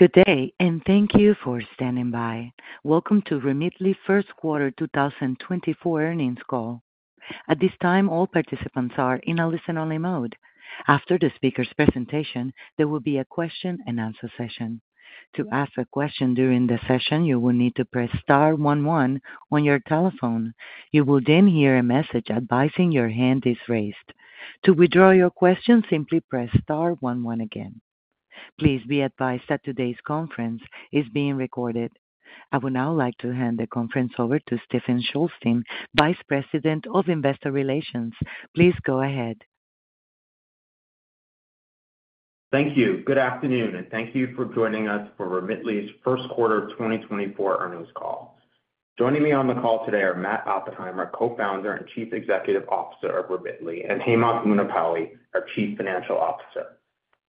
Good day and thank you for standing by. Welcome to Remitly Q1 2024 Earnings Call. At this time, all participants are in a listen-only mode. After the speaker's presentation, there will be a question-and-answer session. To ask a question during the session, you will need to press star one one star on your telephone. You will then hear a message advising your hand is raised. To withdraw your question, simply press star one one star again. Please be advised that today's conference is being recorded. I would now like to hand the conference over to Stephen Shulstein, Vice President of Investor Relations. Please go ahead. Thank you. Good afternoon and thank you for joining us for Remitly's Q1 2024 Earnings Call. Joining me on the call today are Matt Oppenheimer, Co-Founder and Chief Executive Officer of Remitly, and Hemanth Munipalli, our Chief Financial Officer.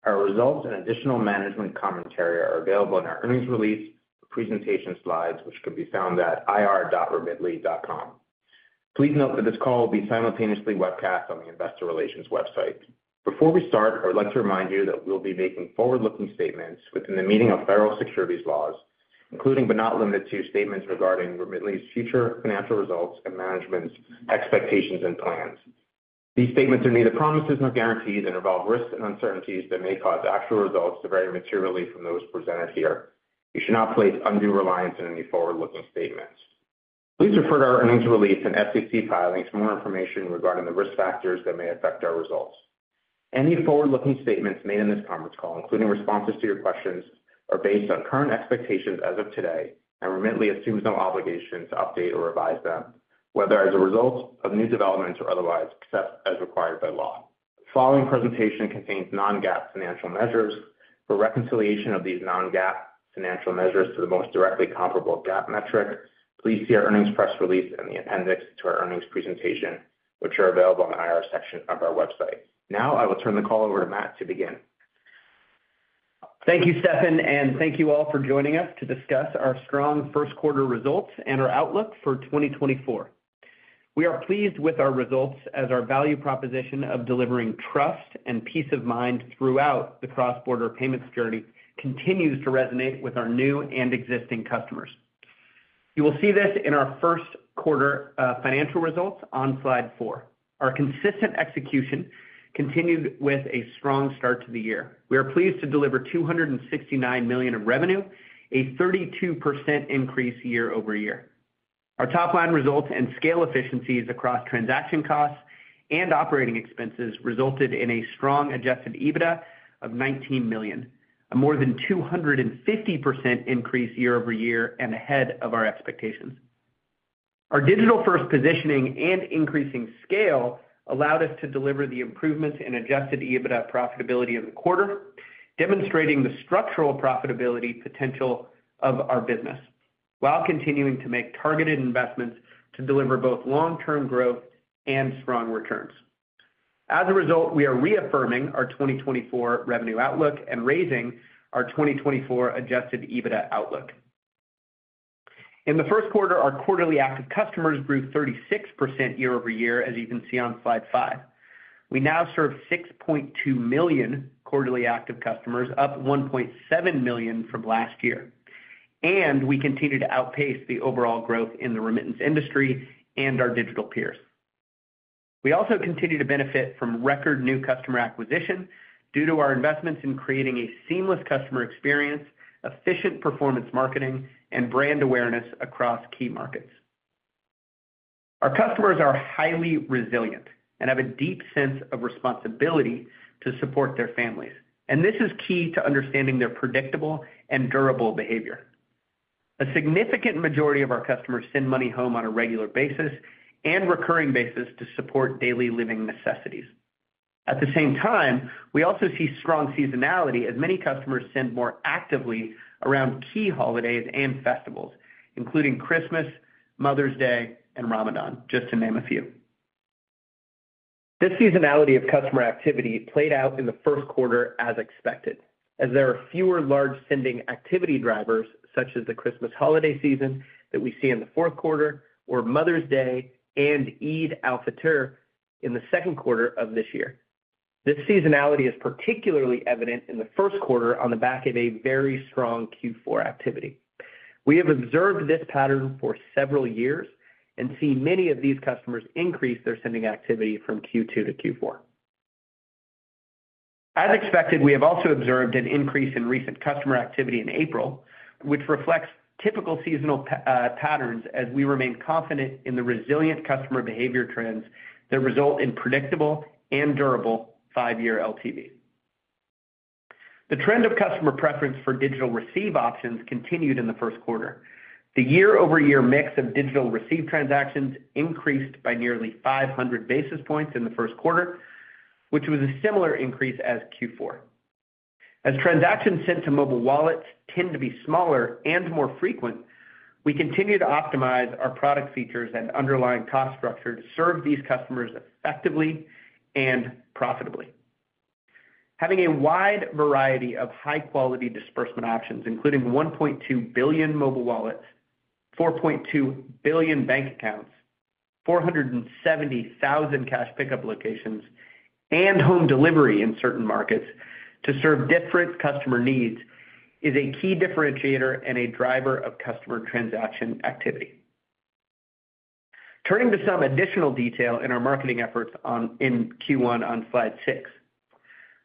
Our results and additional management commentary are available in our earnings release and presentation slides, which can be found at ir.remitly.com. Please note that this call will be simultaneously webcast on the Investor Relations website. Before we start, one would like to remind you that we'll be making forward-looking statements within the meaning of federal securities laws, including but not limited to statements regarding Remitly's future financial results and management's expectations and plans. These statements are neither promises nor guarantees and involve risks and uncertainties that may cause actual results to vary materially from those presented here. You should not place undue reliance in any forward-looking statements. Please refer to our earnings release and SEC filing for more information regarding the risk factors that may affect our results. Any forward-looking statements made in this conference call, including responses to your questions, are based on current expectations as of today, and Remitly assumes no obligation to update or revise them, whether as a result of new developments or otherwise accepted as required by law. The following presentation contains non-GAAP financial measures. For reconciliation of these non-GAAP financial measures to the most directly comparable GAAP metric, please see our earnings press release and the appendix to our earnings presentation, which are available in the IR section of our website. Now I will turn the call over to Matt to begin. Thank you, Stephen, and thank you all for joining us to discuss our strong Q1 results and our outlook for 2024. We are pleased with our results as our value proposition of delivering trust and peace of mind throughout the cross-border payments journey continues to resonate with our new and existing customers. You will see this in our Q1 financial results on slide 4. Our consistent execution continued with a strong start to the year. We are pleased to deliver $269 million of revenue, a 32% increase year-over-year. Our top-line results and scale efficiencies across transaction costs and operating expenses resulted in a strong Adjusted EBITDA of $19 million, a more than 250% increase year-over-year and ahead of our expectations. Our digital-first positioning and increasing scale allowed us to deliver the improvements in Adjusted EBITDA profitability of the quarter, demonstrating the structural profitability potential of our business while continuing to make targeted investments to deliver both long-term growth and strong returns. As a result, we are reaffirming our 2024 revenue outlook and raising our 2024 Adjusted EBITDA outlook. In the Q1, our Quarterly Active Customers grew 36% year-over-year, as you can see on slide 5. We now serve 6.2 million Quarterly Active Customers, up 1.7 million from last year, and we continue to outpace the overall growth in the remittance industry and our digital peers. We also continue to benefit from record new customer acquisition due to our investments in creating a seamless customer experience, efficient performance marketing, and brand awareness across key markets. Our customers are highly resilient and have a deep sense of responsibility to support their families, and this is key to understanding their predictable and durable behavior. A significant majority of our customers send money home on a regular basis and recurring basis to support daily living necessities. At the same time, we also see strong seasonality as many customers send more actively around key holidays and festivals, including Christmas, Mother's Day, and Ramadan, just to name a few. This seasonality of customer activity played out in the Q1 as expected, as there are fewer large sending activity drivers such as the Christmas holiday season that we see in the Q4 or Mother's Day and Eid al-Fitr in the Q2 of this year. This seasonality is particularly evident in the Q1 on the back of a very strong Q4 activity. We have observed this pattern for several years and see many of these customers increase their sending activity from Q2 to Q4. As expected, we have also observed an increase in recent customer activity in April, which reflects typical seasonal patterns as we remain confident in the resilient customer behavior trends that result in predictable and durable five-year LTVs. The trend of customer preference for digital receive options continued in the Q1. The year-over-year mix of digital receive transactions increased by nearly 500 basis points in the Q1, which was a similar increase as Q4. As transactions sent to mobile wallets tend to be smaller and more frequent, we continue to optimize our product features and underlying cost structure to serve these customers effectively and profitably. Having a wide variety of high-quality disbursement options, including 1.2 billion mobile wallets, 4.2 billion bank accounts, 470,000 cash pickup locations, and home delivery in certain markets to serve different customer needs is a key differentiator and a driver of customer transaction activity. Turning to some additional detail in our marketing efforts in Q1 on slide 6,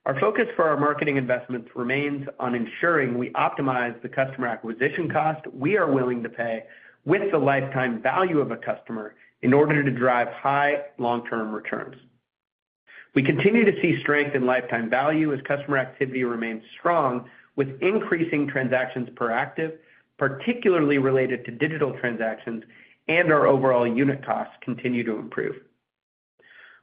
our focus for our marketing investments remains on ensuring we optimize the customer acquisition cost we are willing to pay with the lifetime value of a customer in order to drive high long-term returns. We continue to see strength in lifetime value as customer activity remains strong, with increasing transactions per active, particularly related to digital transactions, and our overall unit costs continue to improve.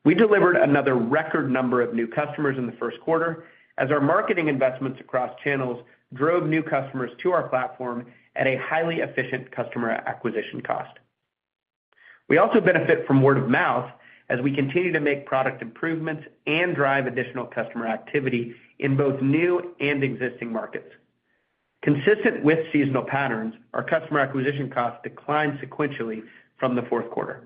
We delivered another record number of new customers in the Q1 as our marketing investments across channels drove new customers to our platform at a highly efficient customer acquisition cost. We also benefit from word of mouth as we continue to make product improvements and drive additional customer activity in both new and existing markets. Consistent with seasonal patterns, our customer acquisition costs declined sequentially from the Q4.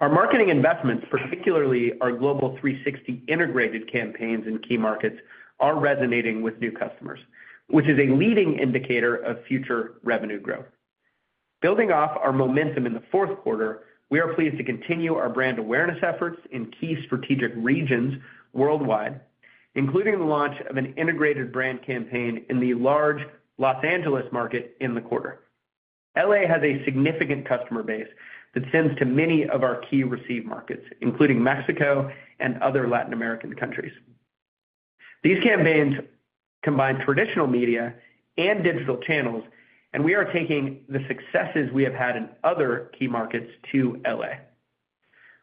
Our marketing investments, particularly our Global 360 integrated campaigns in key markets, are resonating with new customers, which is a leading indicator of future revenue growth. Building off our momentum in the Q4, we are pleased to continue our brand awareness efforts in key strategic regions worldwide, including the launch of an integrated brand campaign in the large Los Angeles market in the quarter. L.A. has a significant customer base that sends to many of our key receive markets, including Mexico and other Latin American countries. These campaigns combine traditional media and digital channels, and we are taking the successes we have had in other key markets to L.A.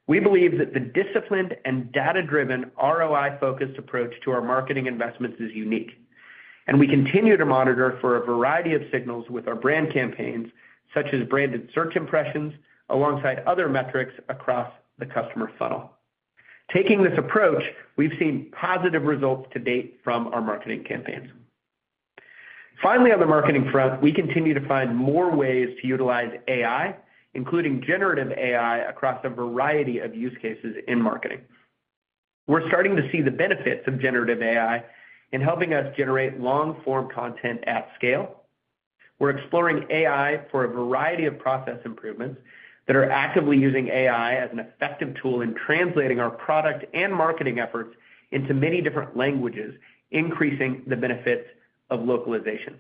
We believe that the disciplined and data-driven ROI-focused approach to our marketing investments is unique, and we continue to monitor for a variety of signals with our brand campaigns, such as branded search impressions alongside other metrics across the customer funnel. Taking this approach, we've seen positive results to date from our marketing campaigns. Finally, on the marketing front, we continue to find more ways to utilize AI, including generative AI across a variety of use cases in marketing. We're starting to see the benefits of generative AI in helping us generate long-form content at scale. We're exploring AI for a variety of process improvements that are actively using AI as an effective tool in translating our product and marketing efforts into many different languages, increasing the benefits of localization.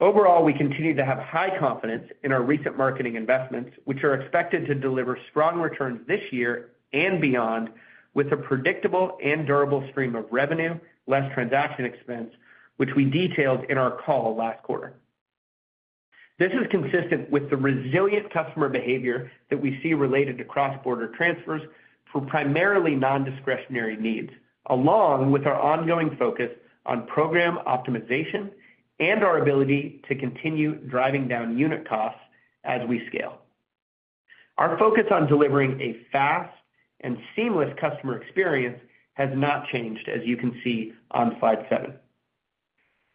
Overall, we continue to have high confidence in our recent marketing investments, which are expected to deliver strong returns this year and beyond with a predictable and durable stream of revenue, less transaction expense, which we detailed in our call last quarter. This is consistent with the resilient customer behavior that we see related to cross-border transfers for primarily nondiscretionary needs, along with our ongoing focus on program optimization and our ability to continue driving down unit costs as we scale. Our focus on delivering a fast and seamless customer experience has not changed, as you can see on slide seven.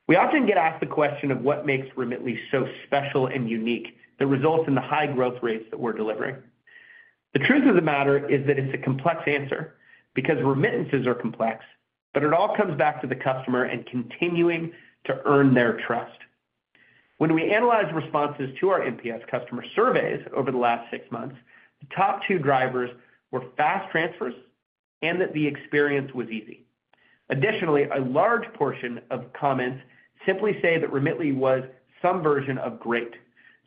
We often get asked the question of what makes Remitly so special and unique that results in the high growth rates that we're delivering. The truth of the matter is that it's a complex answer because remittances are complex, but it all comes back to the customer and continuing to earn their trust. When we analyzed responses to our NPS customer surveys over the last six months, the top two drivers were fast transfers and that the experience was easy. Additionally, a large portion of comments simply say that Remitly was some version of great,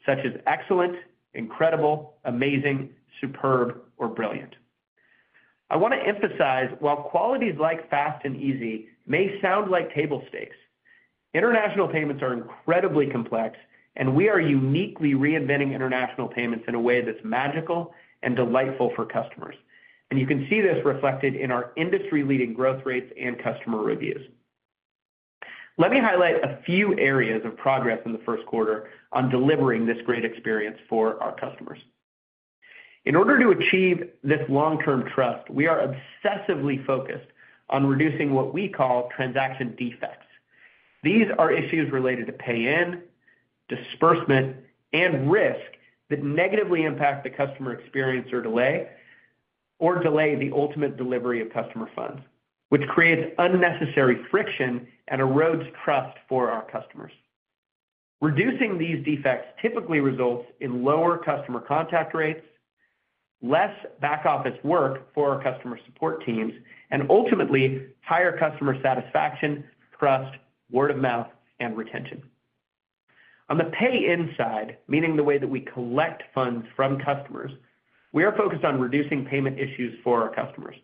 such as excellent, incredible, amazing, superb, or brilliant. I want to emphasize, while qualities like fast and easy may sound like table stakes, international payments are incredibly complex, and we are uniquely reinventing international payments in a way that's magical and delightful for customers. You can see this reflected in our industry-leading growth rates and customer reviews. Let me highlight a few areas of progress in the Q1 on delivering this great experience for our customers. In order to achieve this long-term trust, we are obsessively focused on reducing what we call transaction defects. These are issues related to pay-in, disbursement, and risk that negatively impact the customer experience or delay the ultimate delivery of customer funds, which creates unnecessary friction and erodes trust for our customers. Reducing these defects typically results in lower customer contact rates, less back-office work for our customer support teams, and ultimately higher customer satisfaction, trust, word of mouth, and retention. On the pay-in side, meaning the way that we collect funds from customers, we are focused on reducing payment issues for our customers.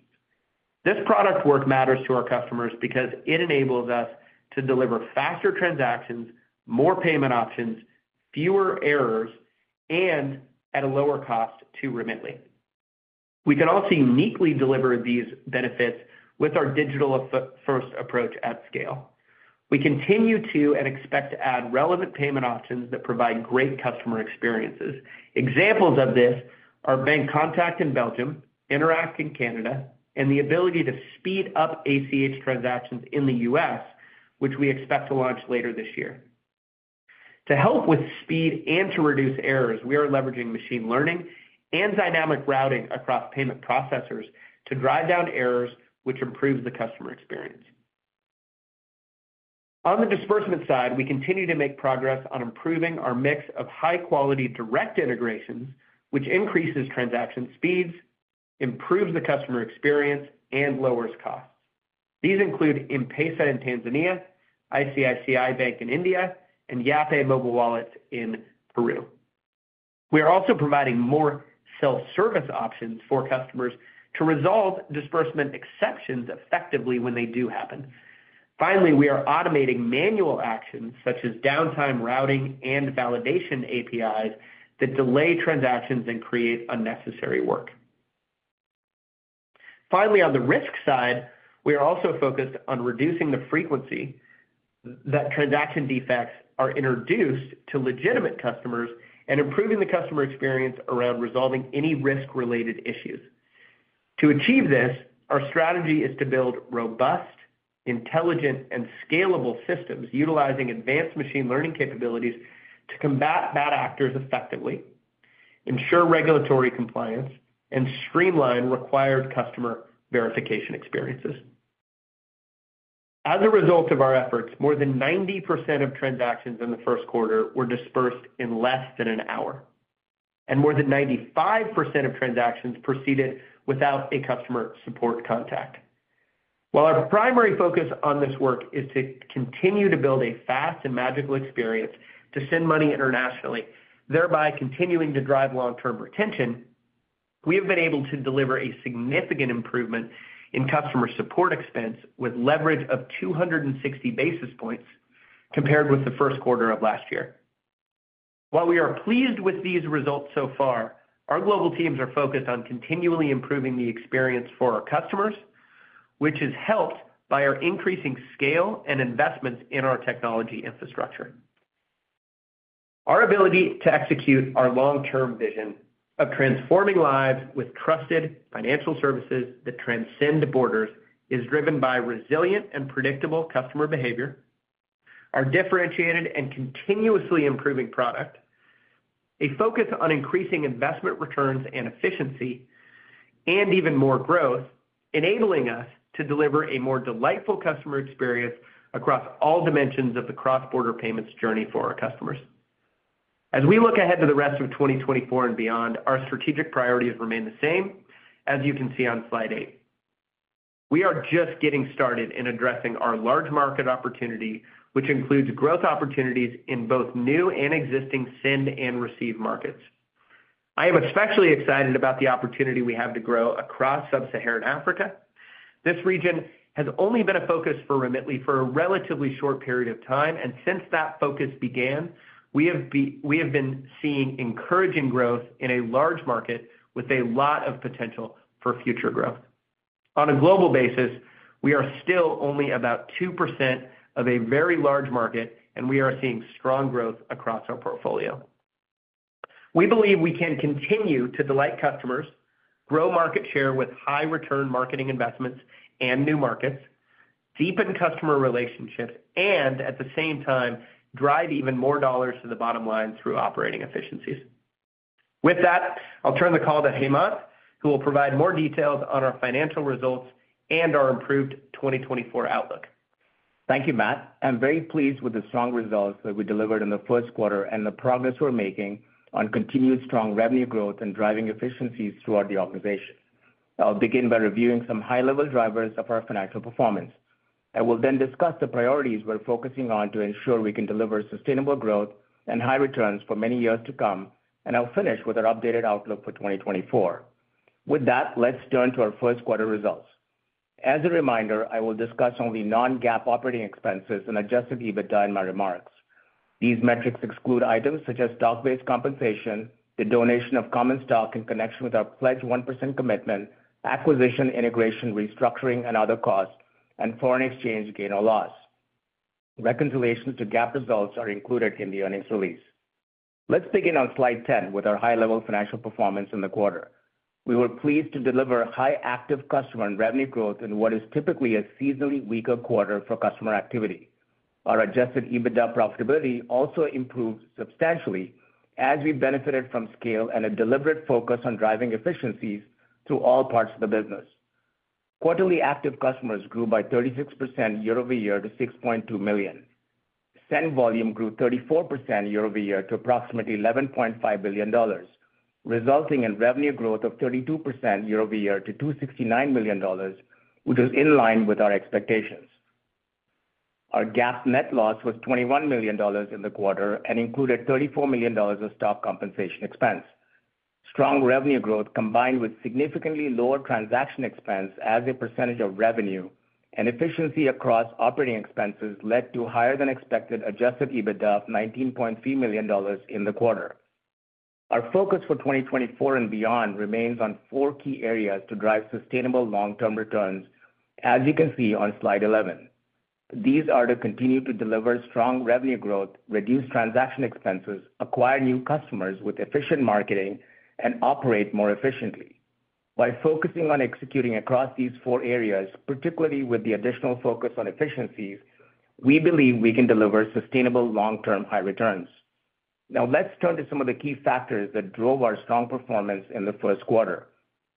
This product work matters to our customers because it enables us to deliver faster transactions, more payment options, fewer errors, and at a lower cost to Remitly. We can also uniquely deliver these benefits with our digital-first approach at scale. We continue to and expect to add relevant payment options that provide great customer experiences. Examples of this are Bancontact in Belgium, Interact in Canada, and the ability to speed up ACH transactions in the US, which we expect to launch later this year. To help with speed and to reduce errors, we are leveraging machine learning and dynamic routing across payment processors to drive down errors, which improves the customer experience. On the disbursement side, we continue to make progress on improving our mix of high-quality direct integrations, which increases transaction speeds, improves the customer experience, and lowers costs. These include M-Pesa in Tanzania, ICICI Bank in India, and Yape mobile wallets in Peru. We are also providing more self-service options for customers to resolve disbursement exceptions effectively when they do happen. Finally, we are automating manual actions such as downtime routing and validation APIs that delay transactions and create unnecessary work. Finally, on the risk side, we are also focused on reducing the frequency that transaction defects are introduced to legitimate customers and improving the customer experience around resolving any risk-related issues. To achieve this, our strategy is to build robust, intelligent, and scalable systems utilizing advanced machine learning capabilities to combat bad actors effectively, ensure regulatory compliance, and streamline required customer verification experiences. As a result of our efforts, more than 90% of transactions in the Q1 were disbursed in less than an hour, and more than 95% of transactions proceeded without a customer support contact. While our primary focus on this work is to continue to build a fast and magical experience to send money internationally, thereby continuing to drive long-term retention, we have been able to deliver a significant improvement in customer support expense with leverage of 260 basis points compared with the Q1 of last year. While we are pleased with these results so far, our global teams are focused on continually improving the experience for our customers, which is helped by our increasing scale and investments in our technology infrastructure. Our ability to execute our long-term vision of transforming lives with trusted financial services that transcend borders is driven by resilient and predictable customer behavior, our differentiated and continuously improving product, a focus on increasing investment returns and efficiency, and even more growth, enabling us to deliver a more delightful customer experience across all dimensions of the cross-border payments journey for our customers. As we look ahead to the rest of 2024 and beyond, our strategic priorities remain the same, as you can see on slide 8. We are just getting started in addressing our large market opportunity, which includes growth opportunities in both new and existing send and receive markets. I am especially excited about the opportunity we have to grow across Sub-Saharan Africa. This region has only been a focus for Remitly for a relatively short period of time, and since that focus began, we have been seeing encouraging growth in a large market with a lot of potential for future growth. On a global basis, we are still only about 2% of a very large market, and we are seeing strong growth across our portfolio. We believe we can continue to delight customers, grow market share with high-return marketing investments and new markets, deepen customer relationships, and at the same time, drive even more dollars to the bottom line through operating efficiencies. With that, I'll turn the call to Hemanth, who will provide more details on our financial results and our improved 2024 outlook. Thank you, Matt. I'm very pleased with the strong results that we delivered in the Q1 and the progress we're making on continued strong revenue growth and driving efficiencies throughout the organization. I'll begin by reviewing some high-level drivers of our financial performance. I will then discuss the priorities we're focusing on to ensure we can deliver sustainable growth and high returns for many years to come, and I'll finish with our updated outlook for 2024. With that, let's turn to our Q1 results. As a reminder, I will discuss only non-GAAP operating expenses and Adjusted EBITDA in my remarks. These metrics exclude items such as stock-based compensation, the donation of common stock in connection with our pledged 1% commitment, acquisition, integration, restructuring, and other costs, and foreign exchange gain or loss. Reconciliations to GAAP results are included in the earnings release. Let's begin on slide 10 with our high-level financial performance in the quarter. We were pleased to deliver high active customer and revenue growth in what is typically a seasonally weaker quarter for customer activity. Our Adjusted EBITDA profitability also improved substantially as we benefited from scale and a deliberate focus on driving efficiencies through all parts of the business. Quarterly active customers grew by 36% year-over-year to 6.2 million. Send volume grew 34% year-over-year to approximately $11.5 billion, resulting in revenue growth of 32% year-over-year to $269 million, which was in line with our expectations. Our GAAP net loss was $21 million in the quarter and included $34 million of stock compensation expense. Strong revenue growth combined with significantly lower transaction expense as a percentage of revenue and efficiency across operating expenses led to higher-than-expected Adjusted EBITDA of $19.3 million in the quarter. Our focus for 2024 and beyond remains on four key areas to drive sustainable long-term returns, as you can see on slide 11. These are to continue to deliver strong revenue growth, reduce transaction expenses, acquire new customers with efficient marketing, and operate more efficiently. By focusing on executing across these four areas, particularly with the additional focus on efficiencies, we believe we can deliver sustainable long-term high returns. Now, let's turn to some of the key factors that drove our strong performance in the Q1.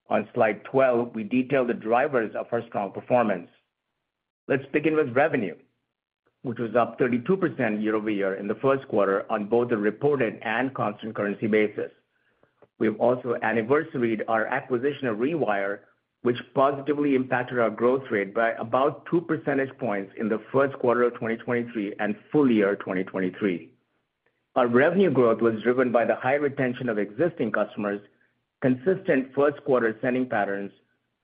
On slide 12, we detail the drivers of our strong performance. Let's begin with revenue, which was up 32% year-over-year in the Q1 on both the reported and constant currency basis. We've also anniversaried our acquisition of Rewire, which positively impacted our growth rate by about two percentage points in the Q1 of 2023 and full year 2023. Our revenue growth was driven by the high retention of existing customers, consistent first-quarter sending patterns,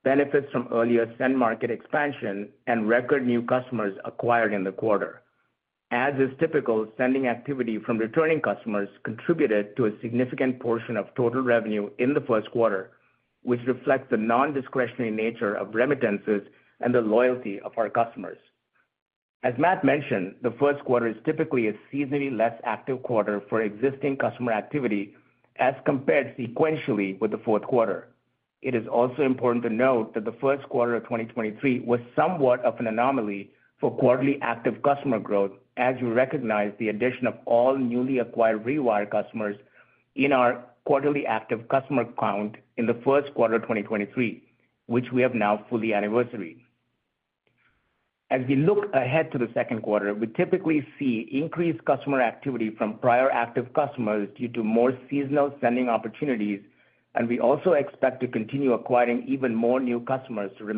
benefits from earlier send market expansion, and record new customers acquired in the quarter. As is typical, sending activity from returning customers contributed to a significant portion of total revenue in the Q1, which reflects the nondiscretionary nature of remittances and the loyalty of our customers. As Matt mentioned, the Q1 is typically a seasonally less active quarter for existing customer activity as compared sequentially with the Q4. It is also important to note that the Q1 of 2023 was somewhat of an anomaly for quarterly active customer growth, as you recognize the addition of all newly acquired Rewire customers in our quarterly active customer count in the Q1 of 2023, which we have now fully anniversaried. As we look ahead to the Q2, we typically see increased customer activity from prior active customers due to more seasonal sending opportunities, and we also expect to continue acquiring even more new customers through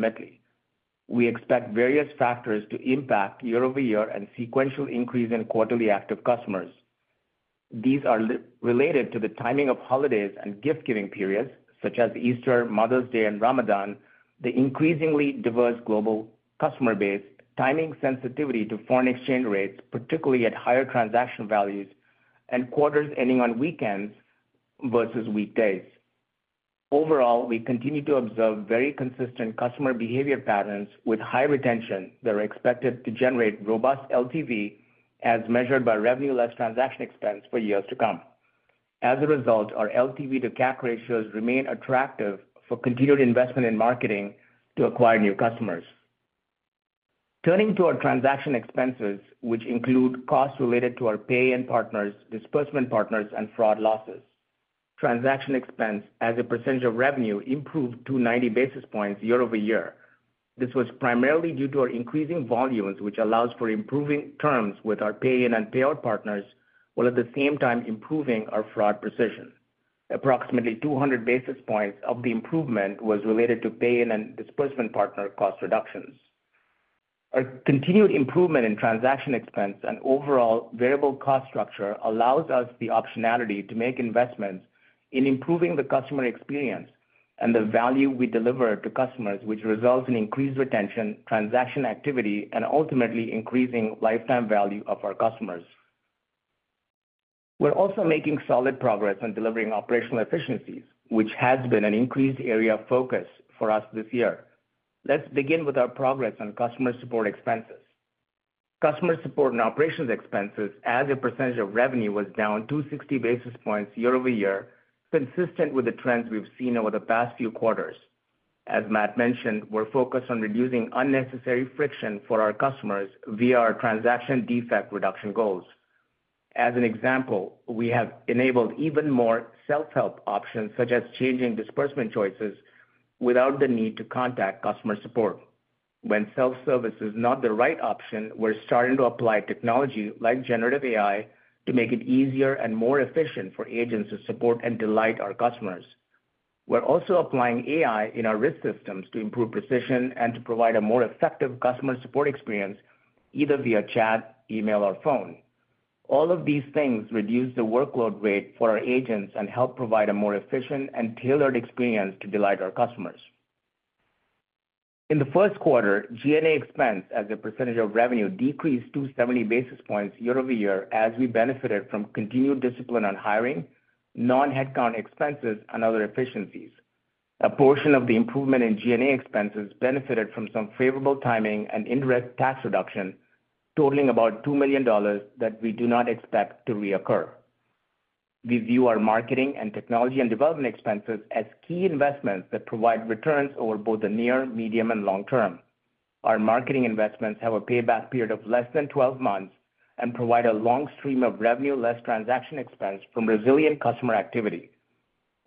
Remitly. We expect various factors to impact year-over-year and sequential increase in quarterly active customers. These are related to the timing of holidays and gift-giving periods, such as Easter, Mother's Day, and Ramadan, the increasingly diverse global customer base, timing sensitivity to foreign exchange rates, particularly at higher transaction values, and quarters ending on weekends versus weekdays. Overall, we continue to observe very consistent customer behavior patterns with high retention that are expected to generate robust LTV as measured by revenue-less transaction expense for years to come. As a result, our LTV-to-CAC ratios remain attractive for continued investment in marketing to acquire new customers. Turning to our transaction expenses, which include costs related to our pay-in partners, disbursement partners, and fraud losses. Transaction expense as a percentage of revenue improved 290 basis points year-over-year. This was primarily due to our increasing volumes, which allows for improving terms with our pay-in and payout partners, while at the same time improving our fraud precision. Approximately 200 basis points of the improvement was related to pay-in and disbursement partner cost reductions. Our continued improvement in transaction expense and overall variable cost structure allows us the optionality to make investments in improving the customer experience and the value we deliver to customers, which results in increased retention, transaction activity, and ultimately increasing lifetime value of our customers. We're also making solid progress on delivering operational efficiencies, which has been an increased area of focus for us this year. Let's begin with our progress on customer support expenses. Customer support and operations expenses as a percentage of revenue was down 260 basis points year-over-year, consistent with the trends we've seen over the past few quarters. As Matt mentioned, we're focused on reducing unnecessary friction for our customers via our transaction defect reduction goals. As an example, we have enabled even more self-help options such as changing disbursement choices without the need to contact customer support. When self-service is not the right option, we're starting to apply technology like generative AI to make it easier and more efficient for agents to support and delight our customers. We're also applying AI in our risk systems to improve precision and to provide a more effective customer support experience, either via chat, email, or phone. All of these things reduce the workload rate for our agents and help provide a more efficient and tailored experience to delight our customers. In the Q1, G&A expense as a percentage of revenue decreased 270 basis points year-over-year as we benefited from continued discipline on hiring, non-headcount expenses, and other efficiencies. A portion of the improvement in G&A expenses benefited from some favorable timing and indirect tax reduction, totaling about $2 million that we do not expect to reoccur. We view our marketing and technology and development expenses as key investments that provide returns over both the near, medium, and long term. Our marketing investments have a payback period of less than 12 months and provide a long stream of revenue-less transaction expense from resilient customer activity.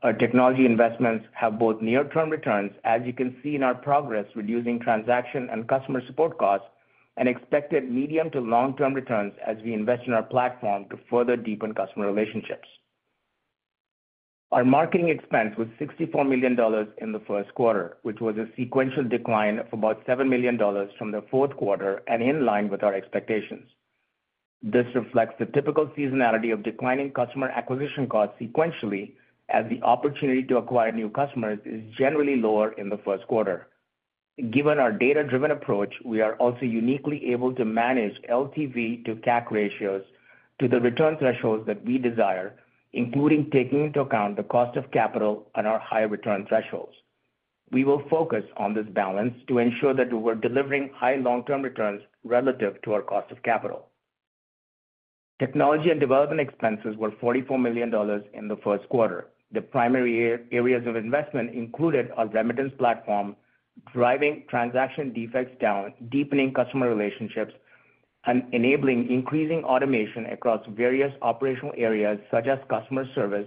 Our technology investments have both near-term returns, as you can see in our progress reducing transaction and customer support costs, and expected medium to long-term returns as we invest in our platform to further deepen customer relationships. Our marketing expense was $64 million in the Q1, which was a sequential decline of about $7 million from the Q4 and in line with our expectations. This reflects the typical seasonality of declining customer acquisition costs sequentially, as the opportunity to acquire new customers is generally lower in the Q1. Given our data-driven approach, we are also uniquely able to manage LTV-to-CAC ratios to the return thresholds that we desire, including taking into account the cost of capital and our high return thresholds. We will focus on this balance to ensure that we're delivering high long-term returns relative to our cost of capital. Technology and development expenses were $44 million in the Q1. The primary areas of investment included our remittance platform, driving transaction defects down, deepening customer relationships, and enabling increasing automation across various operational areas such as customer service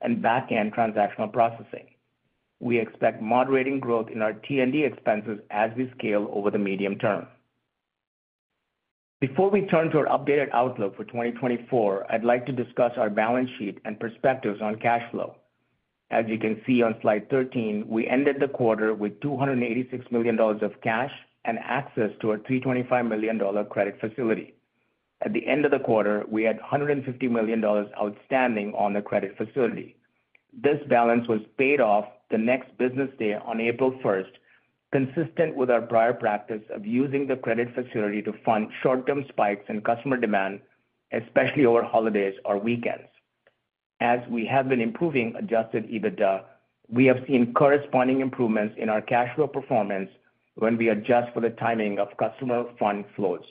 and back-end transactional processing. We expect moderating growth in our T&D expenses as we scale over the medium term. Before we turn to our updated outlook for 2024, I'd like to discuss our balance sheet and perspectives on cash flow. As you can see on slide 13, we ended the quarter with $286 million of cash and access to our $325 million credit facility. At the end of the quarter, we had $150 million outstanding on the credit facility. This balance was paid off the next business day on April 1st, consistent with our prior practice of using the credit facility to fund short-term spikes in customer demand, especially over holidays or weekends. As we have been improving Adjusted EBITDA, we have seen corresponding improvements in our cash flow performance when we adjust for the timing of customer fund flows.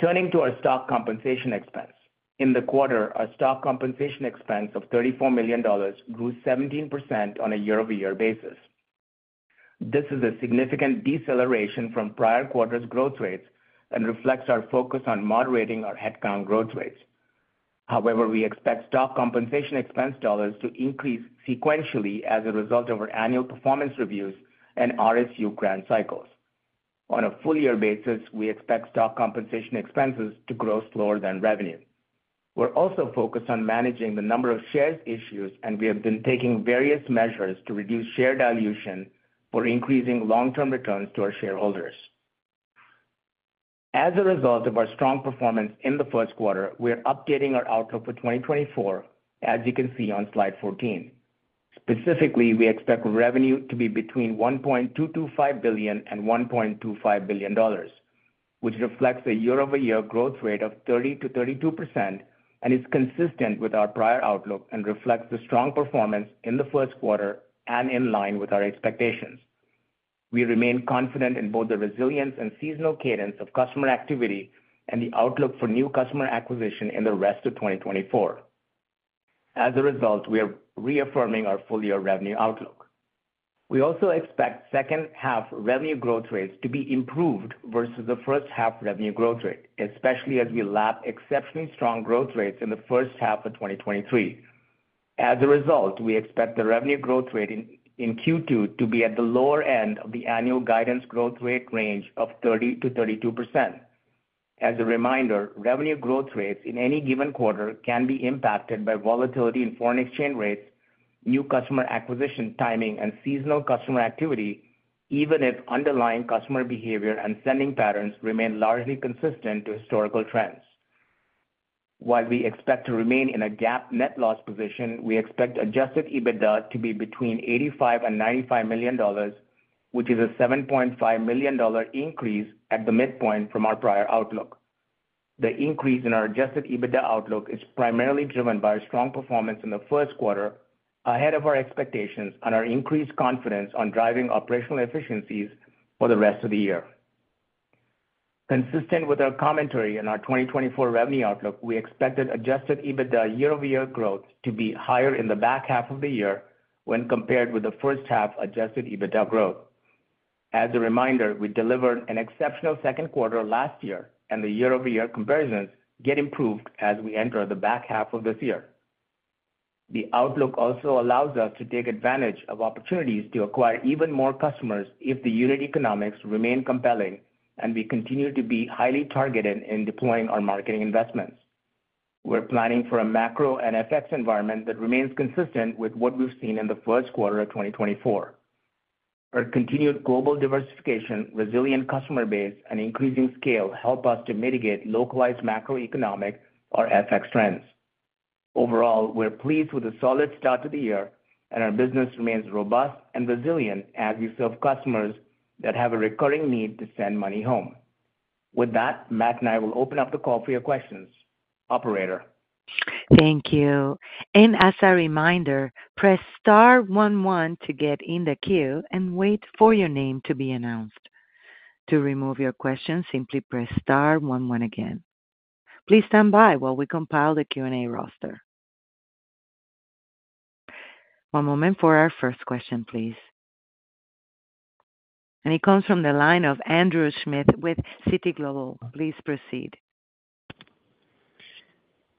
Turning to our stock compensation expense. In the quarter, our stock compensation expense of $34 million grew 17% on a year-over-year basis. This is a significant deceleration from prior quarters' growth rates and reflects our focus on moderating our headcount growth rates. However, we expect stock compensation expense dollars to increase sequentially as a result of our annual performance reviews and RSU grant cycles. On a full-year basis, we expect stock compensation expenses to grow slower than revenue. We're also focused on managing the number of shares issued, and we have been taking various measures to reduce share dilution for increasing long-term returns to our shareholders. As a result of our strong performance in the Q1, we're updating our outlook for 2024, as you can see on slide 14. Specifically, we expect revenue to be between $1.225 and 1.25 billion, which reflects a year-over-year growth rate of 30% to 32% and is consistent with our prior outlook and reflects the strong performance in the Q1 and in line with our expectations. We remain confident in both the resilience and seasonal cadence of customer activity and the outlook for new customer acquisition in the rest of 2024. As a result, we are reaffirming our full-year revenue outlook. We also expect second-half revenue growth rates to be improved versus the first-half revenue growth rate, especially as we lap exceptionally strong growth rates in the first half of 2023. As a result, we expect the revenue growth rate in Q2 to be at the lower end of the annual guidance growth rate range of 30% to 32%. As a reminder, revenue growth rates in any given quarter can be impacted by volatility in foreign exchange rates, new customer acquisition timing, and seasonal customer activity, even if underlying customer behavior and sending patterns remain largely consistent to historical trends. While we expect to remain in a GAAP net loss position, we expect Adjusted EBITDA to be between $85 and 95 million, which is a $7.5 million increase at the midpoint from our prior outlook. The increase in our Adjusted EBITDA outlook is primarily driven by strong performance in the Q1 ahead of our expectations and our increased confidence on driving operational efficiencies for the rest of the year. Consistent with our commentary on our 2024 revenue outlook, we expected Adjusted EBITDA year-over-year growth to be higher in the back half of the year when compared with the first half Adjusted EBITDA growth. As a reminder, we delivered an exceptional Q2 last year, and the year-over-year comparisons get improved as we enter the back half of this year. The outlook also allows us to take advantage of opportunities to acquire even more customers if the unit economics remain compelling and we continue to be highly targeted in deploying our marketing investments. We're planning for a macro and FX environment that remains consistent with what we've seen in the Q1 of 2024. Our continued global diversification, resilient customer base, and increasing scale help us to mitigate localized macroeconomic or FX trends. Overall, we're pleased with a solid start to the year, and our business remains robust and resilient as we serve customers that have a recurring need to send money home. With that, Matt and I will open up the call for your questions. Operator. Thank you. And as a reminder, press star one one to get in the queue and wait for your name to be announced. To remove your question, simply press star one one again. Please stand by while we compile the Q&A roster. One moment for our first question, please. And it comes from the line of Andrew Schmidt with Citi. Please proceed.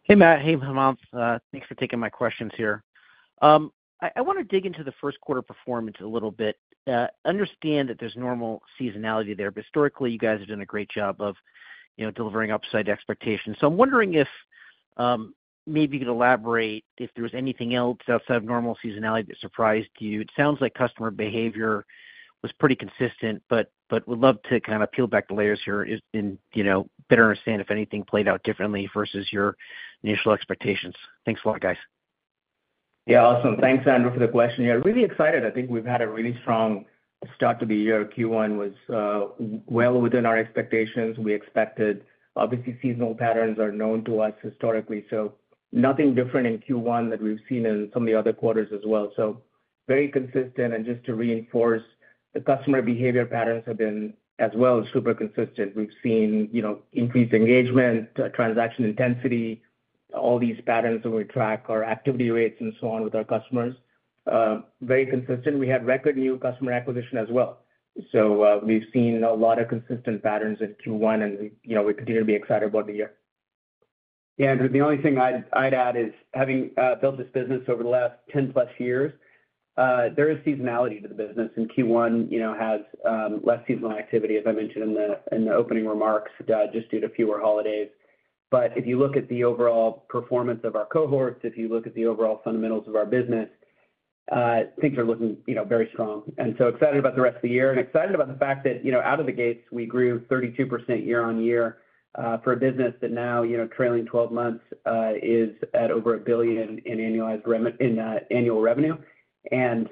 Hey, Matt. Hey, Hemanth. Thanks for taking my questions here. I want to dig into the Q1 performance a little bit. Understand that there's normal seasonality there, but historically, you guys have done a great job of delivering upside expectations. So I'm wondering if maybe you could elaborate if there was anything else outside of normal seasonality that surprised you. It sounds like customer behavior was pretty consistent, but would love to kind of peel back the layers here and better understand if anything played out differently versus your initial expectations. Thanks a lot, guys. Yeah, awesome. Thanks, Andrew, for the question. Yeah, really excited. I think we've had a really strong start to the year. Q1 was well within our expectations. We expected, obviously, seasonal patterns are known to us historically, so nothing different in Q1 that we've seen in some of the other quarters as well. So very consistent. And just to reinforce, the customer behavior patterns have been as well super consistent. We've seen increased engagement, transaction intensity, all these patterns that we track, our activity rates, and so on with our customers. Very consistent. We had record new customer acquisition as well. So we've seen a lot of consistent patterns in Q1, and we continue to be excited about the year. Yeah, Andrew. The only thing I'd add is having built this business over the last 10+ years, there is seasonality to the business. And Q1 has less seasonal activity, as I mentioned in the opening remarks, just due to fewer holidays. But if you look at the overall performance of our cohorts, if you look at the overall fundamentals of our business, things are looking very strong. And so excited about the rest of the year and excited about the fact that out of the gates, we grew 32% year-over-year for a business that now, trailing 12 months, is at over $1 billion in annual revenue. And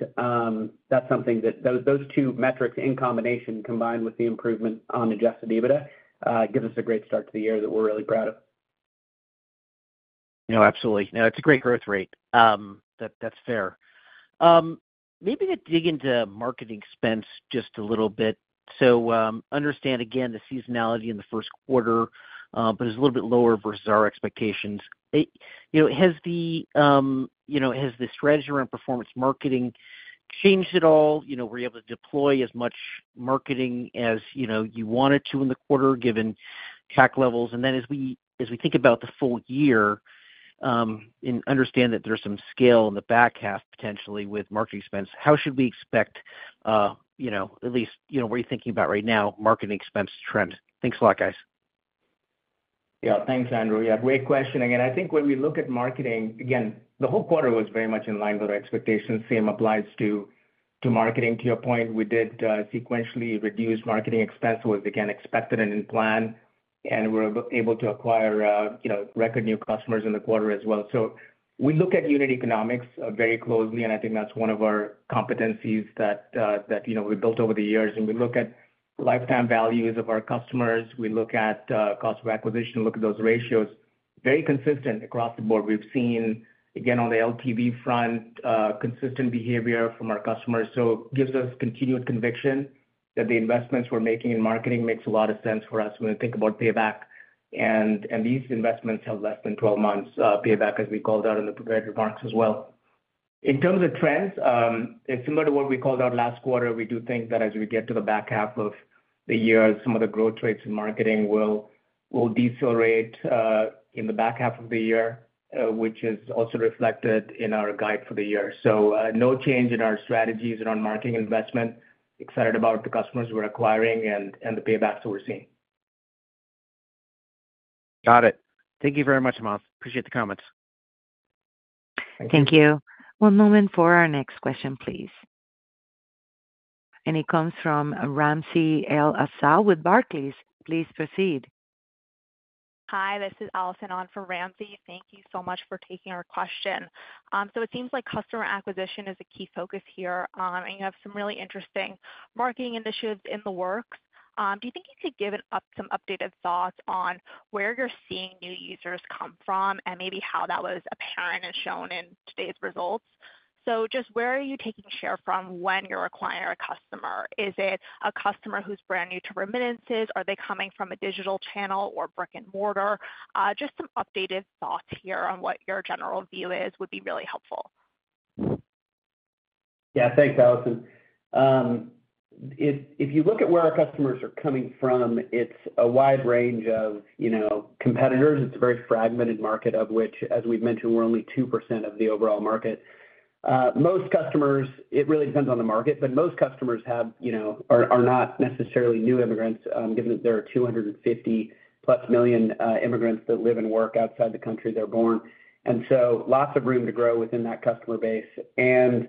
that's something that those two metrics in combination, combined with the improvement on Adjusted EBITDA, gives us a great start to the year that we're really proud of. No, absolutely. No, it's a great growth rate. That's fair. Maybe to dig into marketing expense just a little bit. So understand, again, the seasonality in the Q1, but it's a little bit lower versus our expectations. Has the strategy around performance marketing changed at all? Were you able to deploy as much marketing as you wanted to in the quarter given CAC levels? And then as we think about the full year and understand that there's some scale in the back half potentially with marketing expense, how should we expect at least what are you thinking about right now, marketing expense trend? Thanks a lot, guys. Yeah, thanks, Andrew. Yeah, great question. Again, I think when we look at marketing, again, the whole quarter was very much in line with our expectations. Same applies to marketing. To your point, we did sequentially reduce marketing expense, was again expected and in plan, and we were able to acquire record new customers in the quarter as well. So we look at unit economics very closely, and I think that's one of our competencies that we built over the years. And we look at lifetime values of our customers. We look at cost of acquisition, look at those ratios. Very consistent across the board. We've seen, again, on the LTV front, consistent behavior from our customers. So it gives us continued conviction that the investments we're making in marketing makes a lot of sense for us when we think about payback. These investments have less than 12 months payback, as we called out in the prepared remarks as well. In terms of trends, similar to what we called out last quarter, we do think that as we get to the back half of the year, some of the growth rates in marketing will decelerate in the back half of the year, which is also reflected in our guide for the year. So no change in our strategies around marketing investment. Excited about the customers we're acquiring and the paybacks that we're seeing. Got it. Thank you very much, Hemanth. Appreciate the comments. Thank you. One moment for our next question, please. It comes from Ramsey El-Assal with Barclays. Please proceed. Hi, this is Allison on for Ramsey. Thank you so much for taking our question. So it seems like customer acquisition is a key focus here, and you have some really interesting marketing initiatives in the works. Do you think you could give some updated thoughts on where you're seeing new users come from and maybe how that was apparent and shown in today's results? So just where are you taking share from when you're acquiring a customer? Is it a customer who's brand new to remittances? Are they coming from a digital channel or brick and mortar? Just some updated thoughts here on what your general view is would be really helpful. Yeah, thanks, Allison. If you look at where our customers are coming from, it's a wide range of competitors. It's a very fragmented market of which, as we've mentioned, we're only 2% of the overall market. Most customers, it really depends on the market, but most customers are not necessarily new immigrants given that there are 250+ million immigrants that live and work outside the country they're born. And so lots of room to grow within that customer base and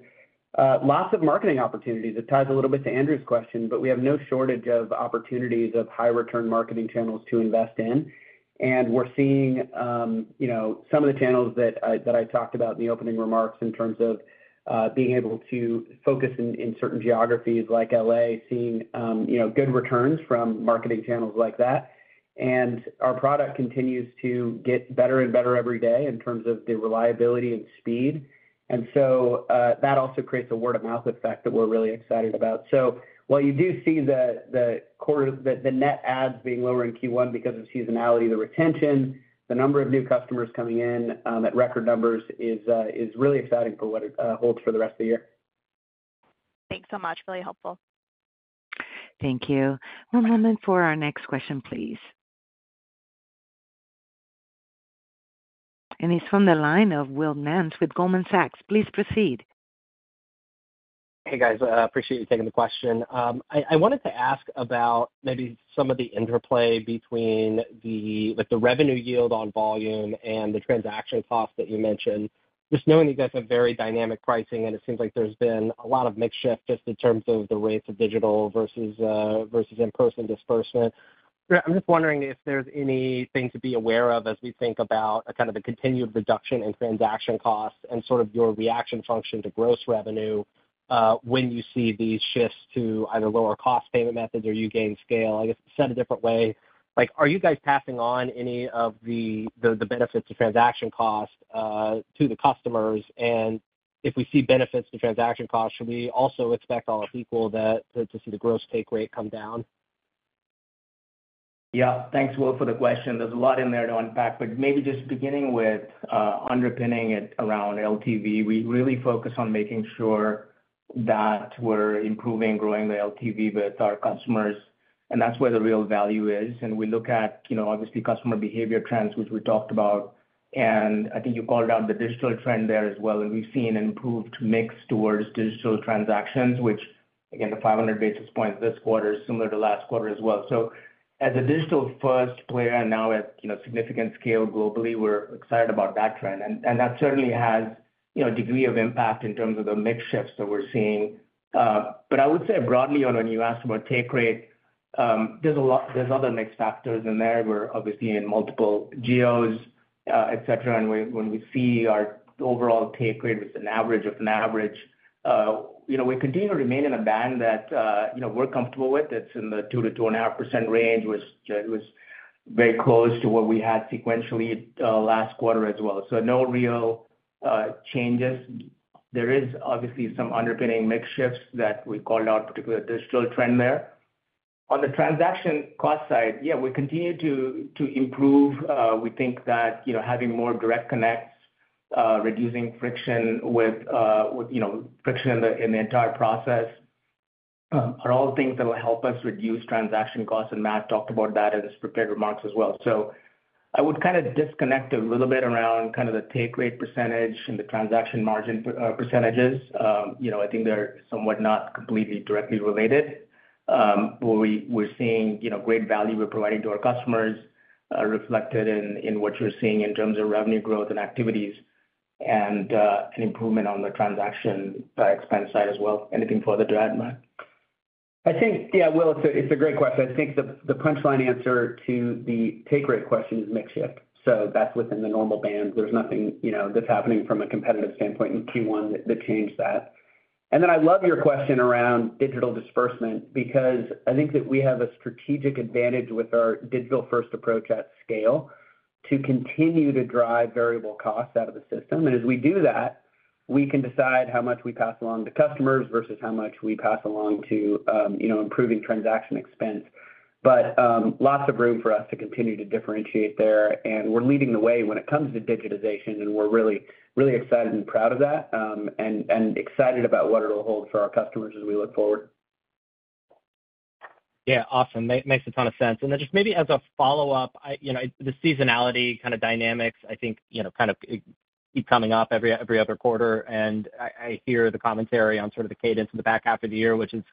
lots of marketing opportunities. It ties a little bit to Andrew's question, but we have no shortage of opportunities of high-return marketing channels to invest in. And we're seeing some of the channels that I talked about in the opening remarks in terms of being able to focus in certain geographies like L.A., seeing good returns from marketing channels like that. Our product continues to get better and better every day in terms of the reliability and speed. So that also creates a word-of-mouth effect that we're really excited about. So while you do see the net adds being lower in Q1 because of seasonality, the retention, the number of new customers coming in at record numbers is really exciting for what it holds for the rest of the year. Thanks so much. Really helpful. Thank you. One moment for our next question, please. It's from the line of Will Nance with Goldman Sachs. Please proceed. Hey, guys. Appreciate you taking the question. I wanted to ask about maybe some of the interplay between the revenue yield on volume and the transaction cost that you mentioned. Just knowing that you guys have very dynamic pricing, and it seems like there's been a lot of mix shift just in terms of the rates of digital versus in-person disbursement, I'm just wondering if there's anything to be aware of as we think about kind of the continued reduction in transaction costs and sort of your reaction function to gross revenue when you see these shifts to either lower cost payment methods or you gain scale, I guess, said a different way. Are you guys passing on any of the benefits to transaction cost to the customers? And if we see benefits to transaction cost, should we also expect all else equal to see the gross take rate come down? Yeah, thanks, Will, for the question. There's a lot in there to unpack. But maybe just beginning with underpinning it around LTV, we really focus on making sure that we're improving and growing the LTV with our customers. And that's where the real value is. And we look at, obviously, customer behavior trends, which we talked about. And I think you called out the digital trend there as well. And we've seen an improved mix towards digital transactions, which, again, the 500 basis points this quarter is similar to last quarter as well. So as a digital-first player and now at significant scale globally, we're excited about that trend. And that certainly has a degree of impact in terms of the mix shifts that we're seeing. But I would say broadly, when you asked about take rate, there's other mixed factors in there. We're obviously in multiple geos, etc. When we see our overall take rate was an average of an average, we continue to remain in a band that we're comfortable with. It's in the 2% to 2.5% range, which was very close to what we had sequentially last quarter as well. No real changes. There is obviously some underpinning mix shifts that we called out, particular digital trend there. On the transaction cost side, yeah, we continue to improve. We think that having more direct connects, reducing friction with friction in the entire process are all things that will help us reduce transaction costs. And Matt talked about that in his prepared remarks as well. I would kind of disconnect a little bit around kind of the take rate percentage and the transaction margin percentages. I think they're somewhat not completely directly related. We're seeing great value we're providing to our customers reflected in what you're seeing in terms of revenue growth and activities and an improvement on the transaction expense side as well. Anything further to add, Matt? I think, yeah, Will, it's a great question. I think the punchline answer to the take rate question is mix shift. So that's within the normal band. There's nothing that's happening from a competitive standpoint in Q1 that changed that. And then I love your question around digital disbursement because I think that we have a strategic advantage with our digital-first approach at scale to continue to drive variable costs out of the system. And as we do that, we can decide how much we pass along to customers versus how much we pass along to improving transaction expense. But lots of room for us to continue to differentiate there. And we're leading the way when it comes to digitization, and we're really, really excited and proud of that and excited about what it'll hold for our customers as we look forward. Yeah, awesome. Makes a ton of sense. Then just maybe as a follow-up, the seasonality kind of dynamics, I think, kind of keep coming up every other quarter. I hear the commentary on sort of the cadence in the back half of the year, which is,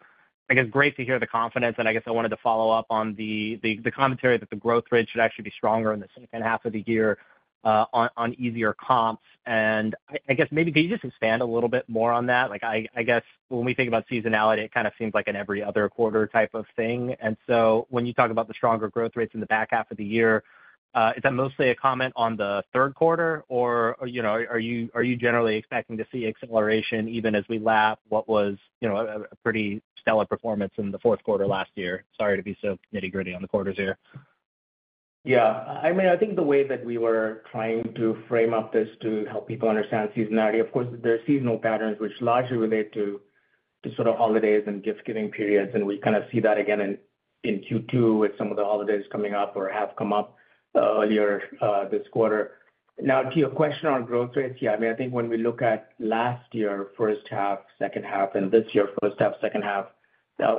I guess, great to hear the confidence. I guess I wanted to follow up on the commentary that the growth rate should actually be stronger in the second half of the year on easier comps. I guess maybe can you just expand a little bit more on that? I guess when we think about seasonality, it kind of seems like an every-other-quarter type of thing. And so when you talk about the stronger growth rates in the back half of the year, is that mostly a comment on the Q3, or are you generally expecting to see acceleration even as we lap what was a pretty stellar performance in the Q4 last year? Sorry to be so nitty-gritty on the quarters here. Yeah. I mean, I think the way that we were trying to frame up this to help people understand seasonality, of course, there are seasonal patterns which largely relate to sort of holidays and gift-giving periods. And we kind of see that again in Q2 with some of the holidays coming up or have come up earlier this quarter. Now, to your question on growth rates, yeah, I mean, I think when we look at last year first half, second half, and this year first half, second half,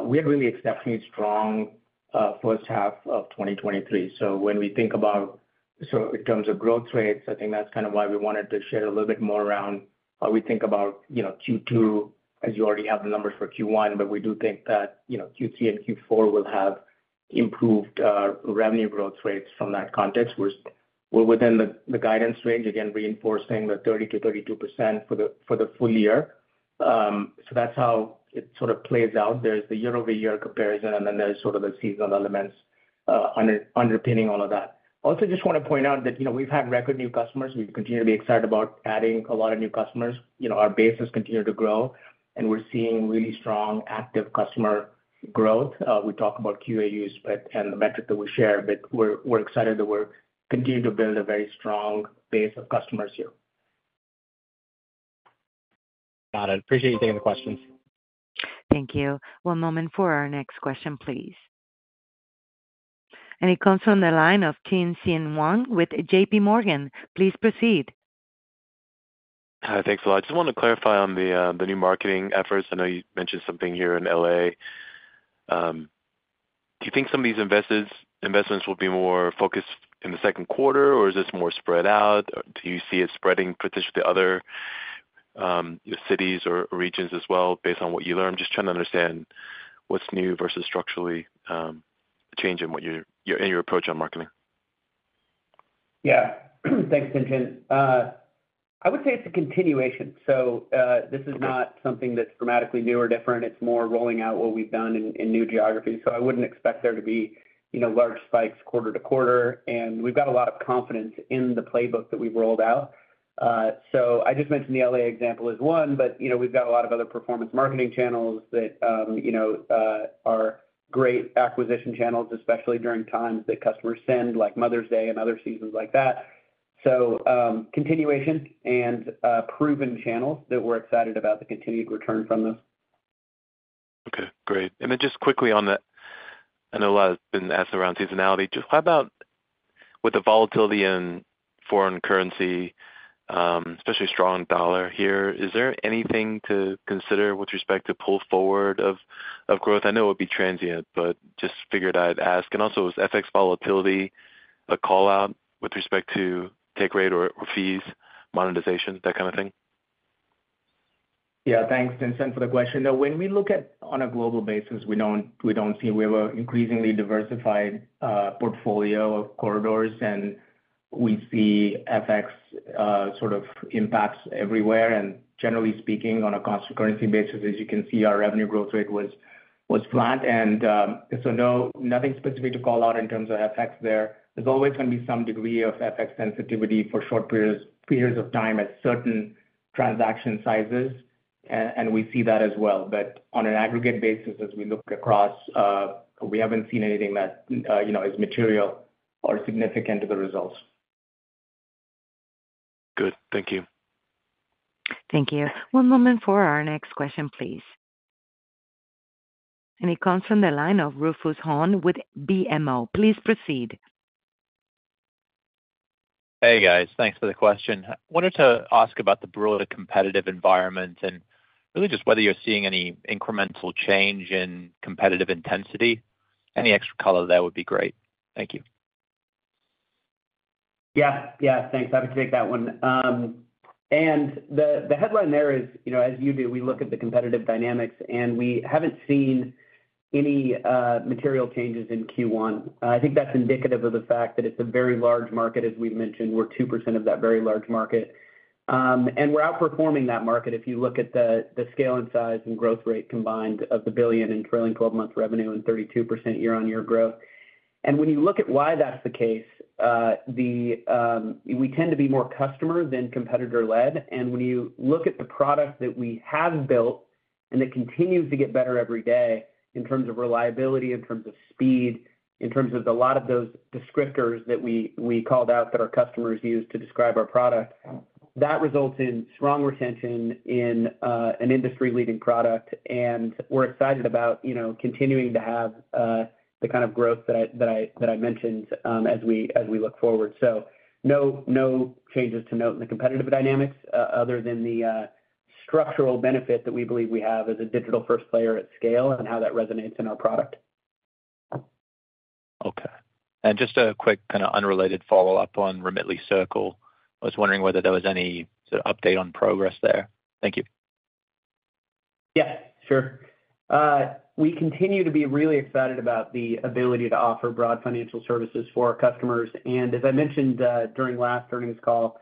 we had really exceptionally strong first half of 2023. So when we think about in terms of growth rates, I think that's kind of why we wanted to share a little bit more around how we think about Q2, as you already have the numbers for Q1. We do think that Q3 and Q4 will have improved revenue growth rates from that context. We're within the guidance range, again, reinforcing the 30% to 32% for the full year. That's how it sort of plays out. There's the year-over-year comparison, and then there's sort of the seasonal elements underpinning all of that. Also, I just want to point out that we've had record new customers. We continue to be excited about adding a lot of new customers. Our base has continued to grow, and we're seeing really strong active customer growth. We talk about QAUs and the metric that we share, but we're excited that we're continuing to build a very strong base of customers here. Got it. Appreciate you taking the questions. Thank you. One moment for our next question, please. It comes from the line of Tien-tsin Huang with JPMorgan. Please proceed. Thanks a lot. I just want to clarify on the new marketing efforts. I know you mentioned something here in L.A. Do you think some of these investments will be more focused in the Q2, or is this more spread out? Do you see it spreading potentially to other cities or regions as well based on what you learned? Just trying to understand what's new versus structurally a change in your approach on marketing. Yeah. Thanks, Tien-Tsin. I would say it's a continuation. So, this is not something that's dramatically new or different. It's more rolling out what we've done in new geographies. So, I wouldn't expect there to be large spikes quarter to quarter. And we've got a lot of confidence in the playbook that we've rolled out. So, I just mentioned the L.A. example as one, but we've got a lot of other performance marketing channels that are great acquisition channels, especially during times that customers send, like Mother's Day and other seasons like that. So, continuation and proven channels that we're excited about the continued return from this. Okay. Great. And then just quickly on that, I know a lot has been asked around seasonality. Just how about with the volatility in foreign currency, especially strong dollar here, is there anything to consider with respect to pull forward of growth? I know it would be transient, but just figured I'd ask. And also, is FX volatility a callout with respect to take rate or fees, monetization, that kind of thing? Yeah, thanks, Tien-Tsin, for the question. Now, when we look at, on a global basis, we don't see. We have an increasingly diversified portfolio of corridors, and we see FX sort of impacts everywhere. And generally speaking, on a constant currency basis, as you can see, our revenue growth rate was flat. And so no, nothing specific to call out in terms of FX there. There's always going to be some degree of FX sensitivity for short periods of time at certain transaction sizes, and we see that as well. But on an aggregate basis, as we look across, we haven't seen anything that is material or significant to the results. Good. Thank you. Thank you. One moment for our next question, please. It comes from the line of Rufus Hone with BMO. Please proceed. Hey, guys. Thanks for the question. I wanted to ask about the broader competitive environment and really just whether you're seeing any incremental change in competitive intensity. Any extra color there would be great. Thank you. Yeah. Yeah, thanks. Happy to take that one. The headline there is, as you do, we look at the competitive dynamics, and we haven't seen any material changes in Q1. I think that's indicative of the fact that it's a very large market, as we've mentioned. We're 2% of that very large market. We're outperforming that market if you look at the scale and size and growth rate combined of the billion and trailing 12-month revenue and 32% year-over-year growth. When you look at why that's the case, we tend to be more customer than competitor-led. When you look at the product that we have built and that continues to get better every day in terms of reliability, in terms of speed, in terms of a lot of those descriptors that we called out that our customers use to describe our product, that results in strong retention in an industry-leading product. We're excited about continuing to have the kind of growth that I mentioned as we look forward. No changes to note in the competitive dynamics other than the structural benefit that we believe we have as a digital-first player at scale and how that resonates in our product. Okay. Just a quick kind of unrelated follow-up on Remitly Circle, I was wondering whether there was any sort of update on progress there. Thank you. Yeah, sure. We continue to be really excited about the ability to offer broad financial services for our customers. And as I mentioned during last earnings call,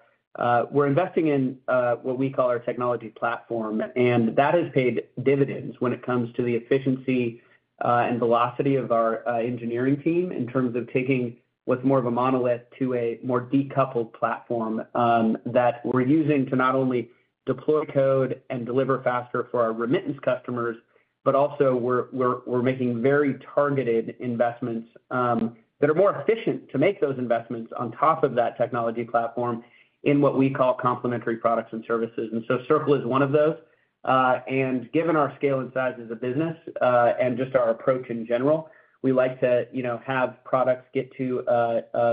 we're investing in what we call our technology platform. And that has paid dividends when it comes to the efficiency and velocity of our engineering team in terms of taking what's more of a monolith to a more decoupled platform that we're using to not only deploy code and deliver faster for our remittance customers, but also we're making very targeted investments that are more efficient to make those investments on top of that technology platform in what we call complementary products and services. And so, Circle is one of those. Given our scale and size as a business and just our approach in general, we like to have products get to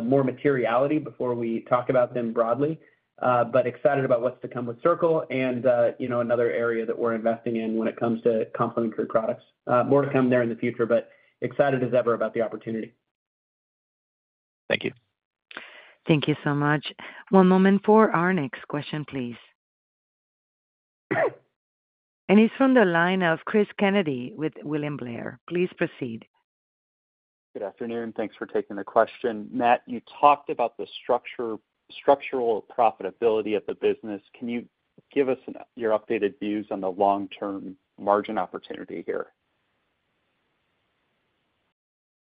more materiality before we talk about them broadly, but excited about what's to come with Circle and another area that we're investing in when it comes to complementary products. More to come there in the future, but excited as ever about the opportunity. Thank you. Thank you so much. One moment for our next question, please. It's from the line of Cris Kennedy with William Blair. Please proceed. Good afternoon. Thanks for taking the question. Matt, you talked about the structural profitability of the business. Can you give us your updated views on the long-term margin opportunity here?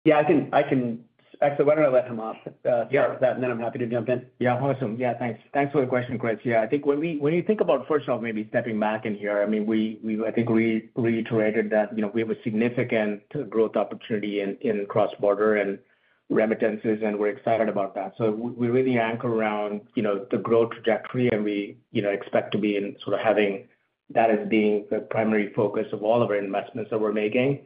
Yeah, I can actually. Why don't I let him start with that, and then I'm happy to jump in. Yeah, awesome. Yeah, thanks. Thanks for the question, Cris. Yeah, I think when you think about, first off, maybe stepping back in here, I mean, I think we reiterated that we have a significant growth opportunity in cross-border and remittances, and we're excited about that. So we really anchor around the growth trajectory, and we expect to be sort of having that as being the primary focus of all of our investments that we're making.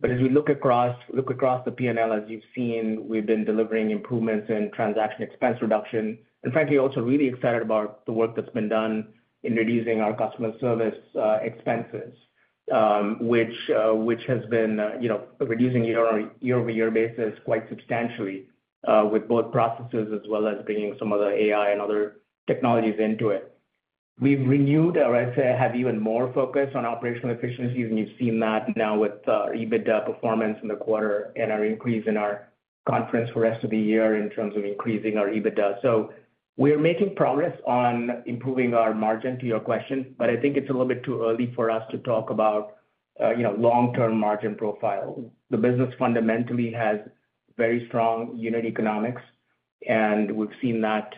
But as we look across the P&L, as you've seen, we've been delivering improvements in transaction expense reduction and, frankly, also really excited about the work that's been done in reducing our customer service expenses, which has been reducing year-over-year basis quite substantially with both processes as well as bringing some of the AI and other technologies into it. We've renewed, or I'd say, have even more focus on operational efficiencies, and you've seen that now with EBITDA performance in the quarter and our increase in our guidance for the rest of the year in terms of increasing our EBITDA. So, we're making progress on improving our margin, to your question, but I think it's a little bit too early for us to talk about long-term margin profile. The business fundamentally has very strong unit economics, and we've seen that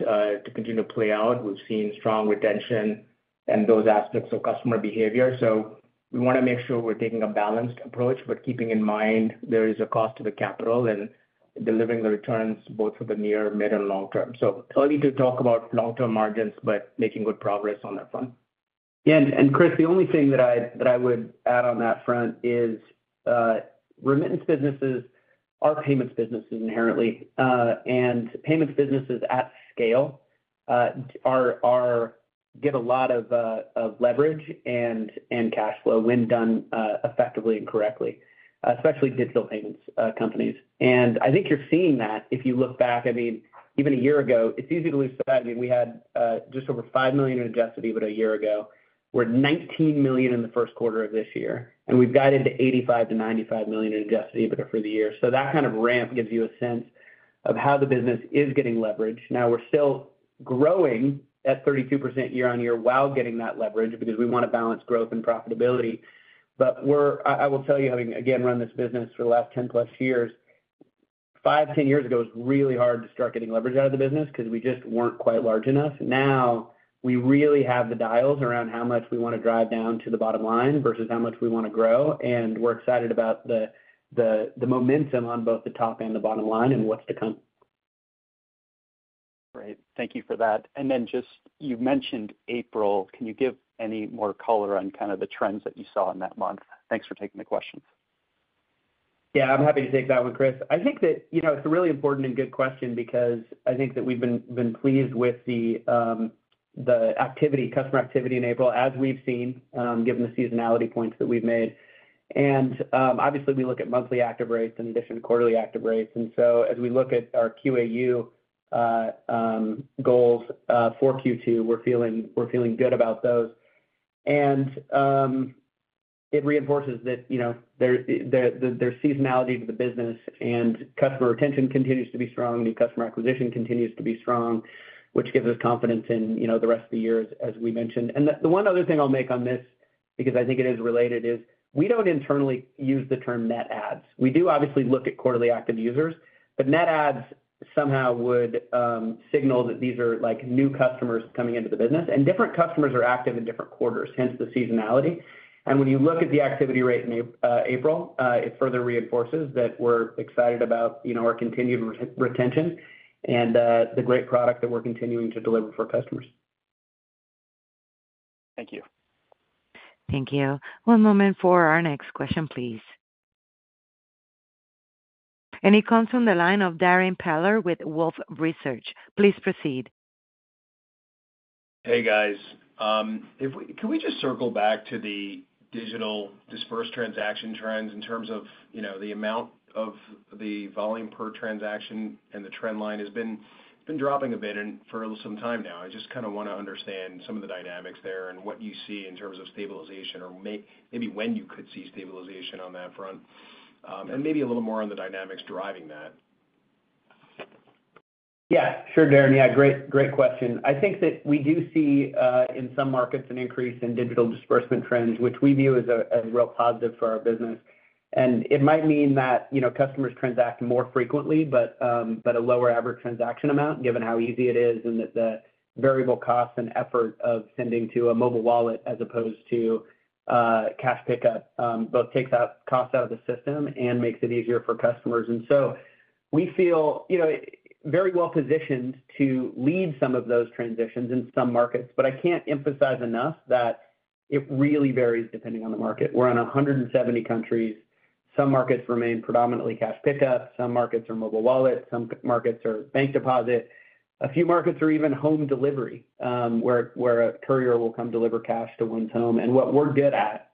continue to play out. We've seen strong retention and those aspects of customer behavior. So, we want to make sure we're taking a balanced approach, but keeping in mind there is a cost of capital in delivering the returns both for the near, mid, and long term. So early to talk about long-term margins but making good progress on that front. Yeah. And Cris, the only thing that I would add on that front is remittance businesses are payments businesses inherently. And payments businesses at scale get a lot of leverage and cash flow when done effectively and correctly, especially digital payments companies. And I think you're seeing that if you look back. I mean, even a year ago, it's easy to lose sight. I mean, we had just over $5 million in Adjusted EBITDA a year ago. We're $19 million in the Q1 of this year, and we've got it to $85 and 95 million in Adjusted EBITDA for the year. So that kind of ramp gives you a sense of how the business is getting leverage. Now, we're still growing at 32% year-over-year while getting that leverage because we want to balance growth and profitability. But I will tell you, having, again, run this business for the last 10+ years, 5 to 10 years ago, it was really hard to start getting leverage out of the business because we just weren't quite large enough. Now, we really have the dials around how much we want to drive down to the bottom line versus how much we want to grow. And we're excited about the momentum on both the top and the bottom line and what's to come. Great. Thank you for that. And then, just, you mentioned April. Can you give any more color on kind of the trends that you saw in that month? Thanks for taking the questions. Yeah, I'm happy to take that one, Cris. I think that it's a really important and good question because I think that we've been pleased with the customer activity in April as we've seen, given the seasonality points that we've made. And obviously, we look at monthly active rates in addition to quarterly active rates. And so as we look at our QAU goals for Q2, we're feeling good about those. And it reinforces that there's seasonality to the business, and customer retention continues to be strong. New customer acquisition continues to be strong, which gives us confidence in the rest of the year, as we mentioned. And the one other thing I'll make on this because I think it is related is we don't internally use the term net adds. We do obviously look at quarterly active users, but net adds somehow would signal that these are new customers coming into the business. Different customers are active in different quarters, hence the seasonality. When you look at the activity rate in April, it further reinforces that we're excited about our continued retention and the great product that we're continuing to deliver for customers. Thank you. Thank you. One moment for our next question, please. It comes from the line of Darrin Peller with Wolfe Research. Please proceed. Hey, guys. Can we just circle back to the digital disbursement transaction trends in terms of the amount of the volume per transaction? The trend line has been dropping a bit for some time now. I just kind of want to understand some of the dynamics there and what you see in terms of stabilization or maybe when you could see stabilization on that front and maybe a little more on the dynamics driving that. Yeah, sure, Darrin. Yeah, great question. I think that we do see in some markets an increase in digital disbursement trends, which we view as a real positive for our business. And it might mean that customers transact more frequently, but a lower average transaction amount, given how easy it is and that the variable cost and effort of sending to a mobile wallet as opposed to cash pickup both takes costs out of the system and makes it easier for customers. And so we feel very well positioned to lead some of those transitions in some markets, but I can't emphasize enough that it really varies depending on the market. We're in 170 countries. Some markets remain predominantly cash pickup. Some markets are mobile wallets. Some markets are bank deposit. A few markets are even home delivery where a courier will come deliver cash to one's home. What we're good at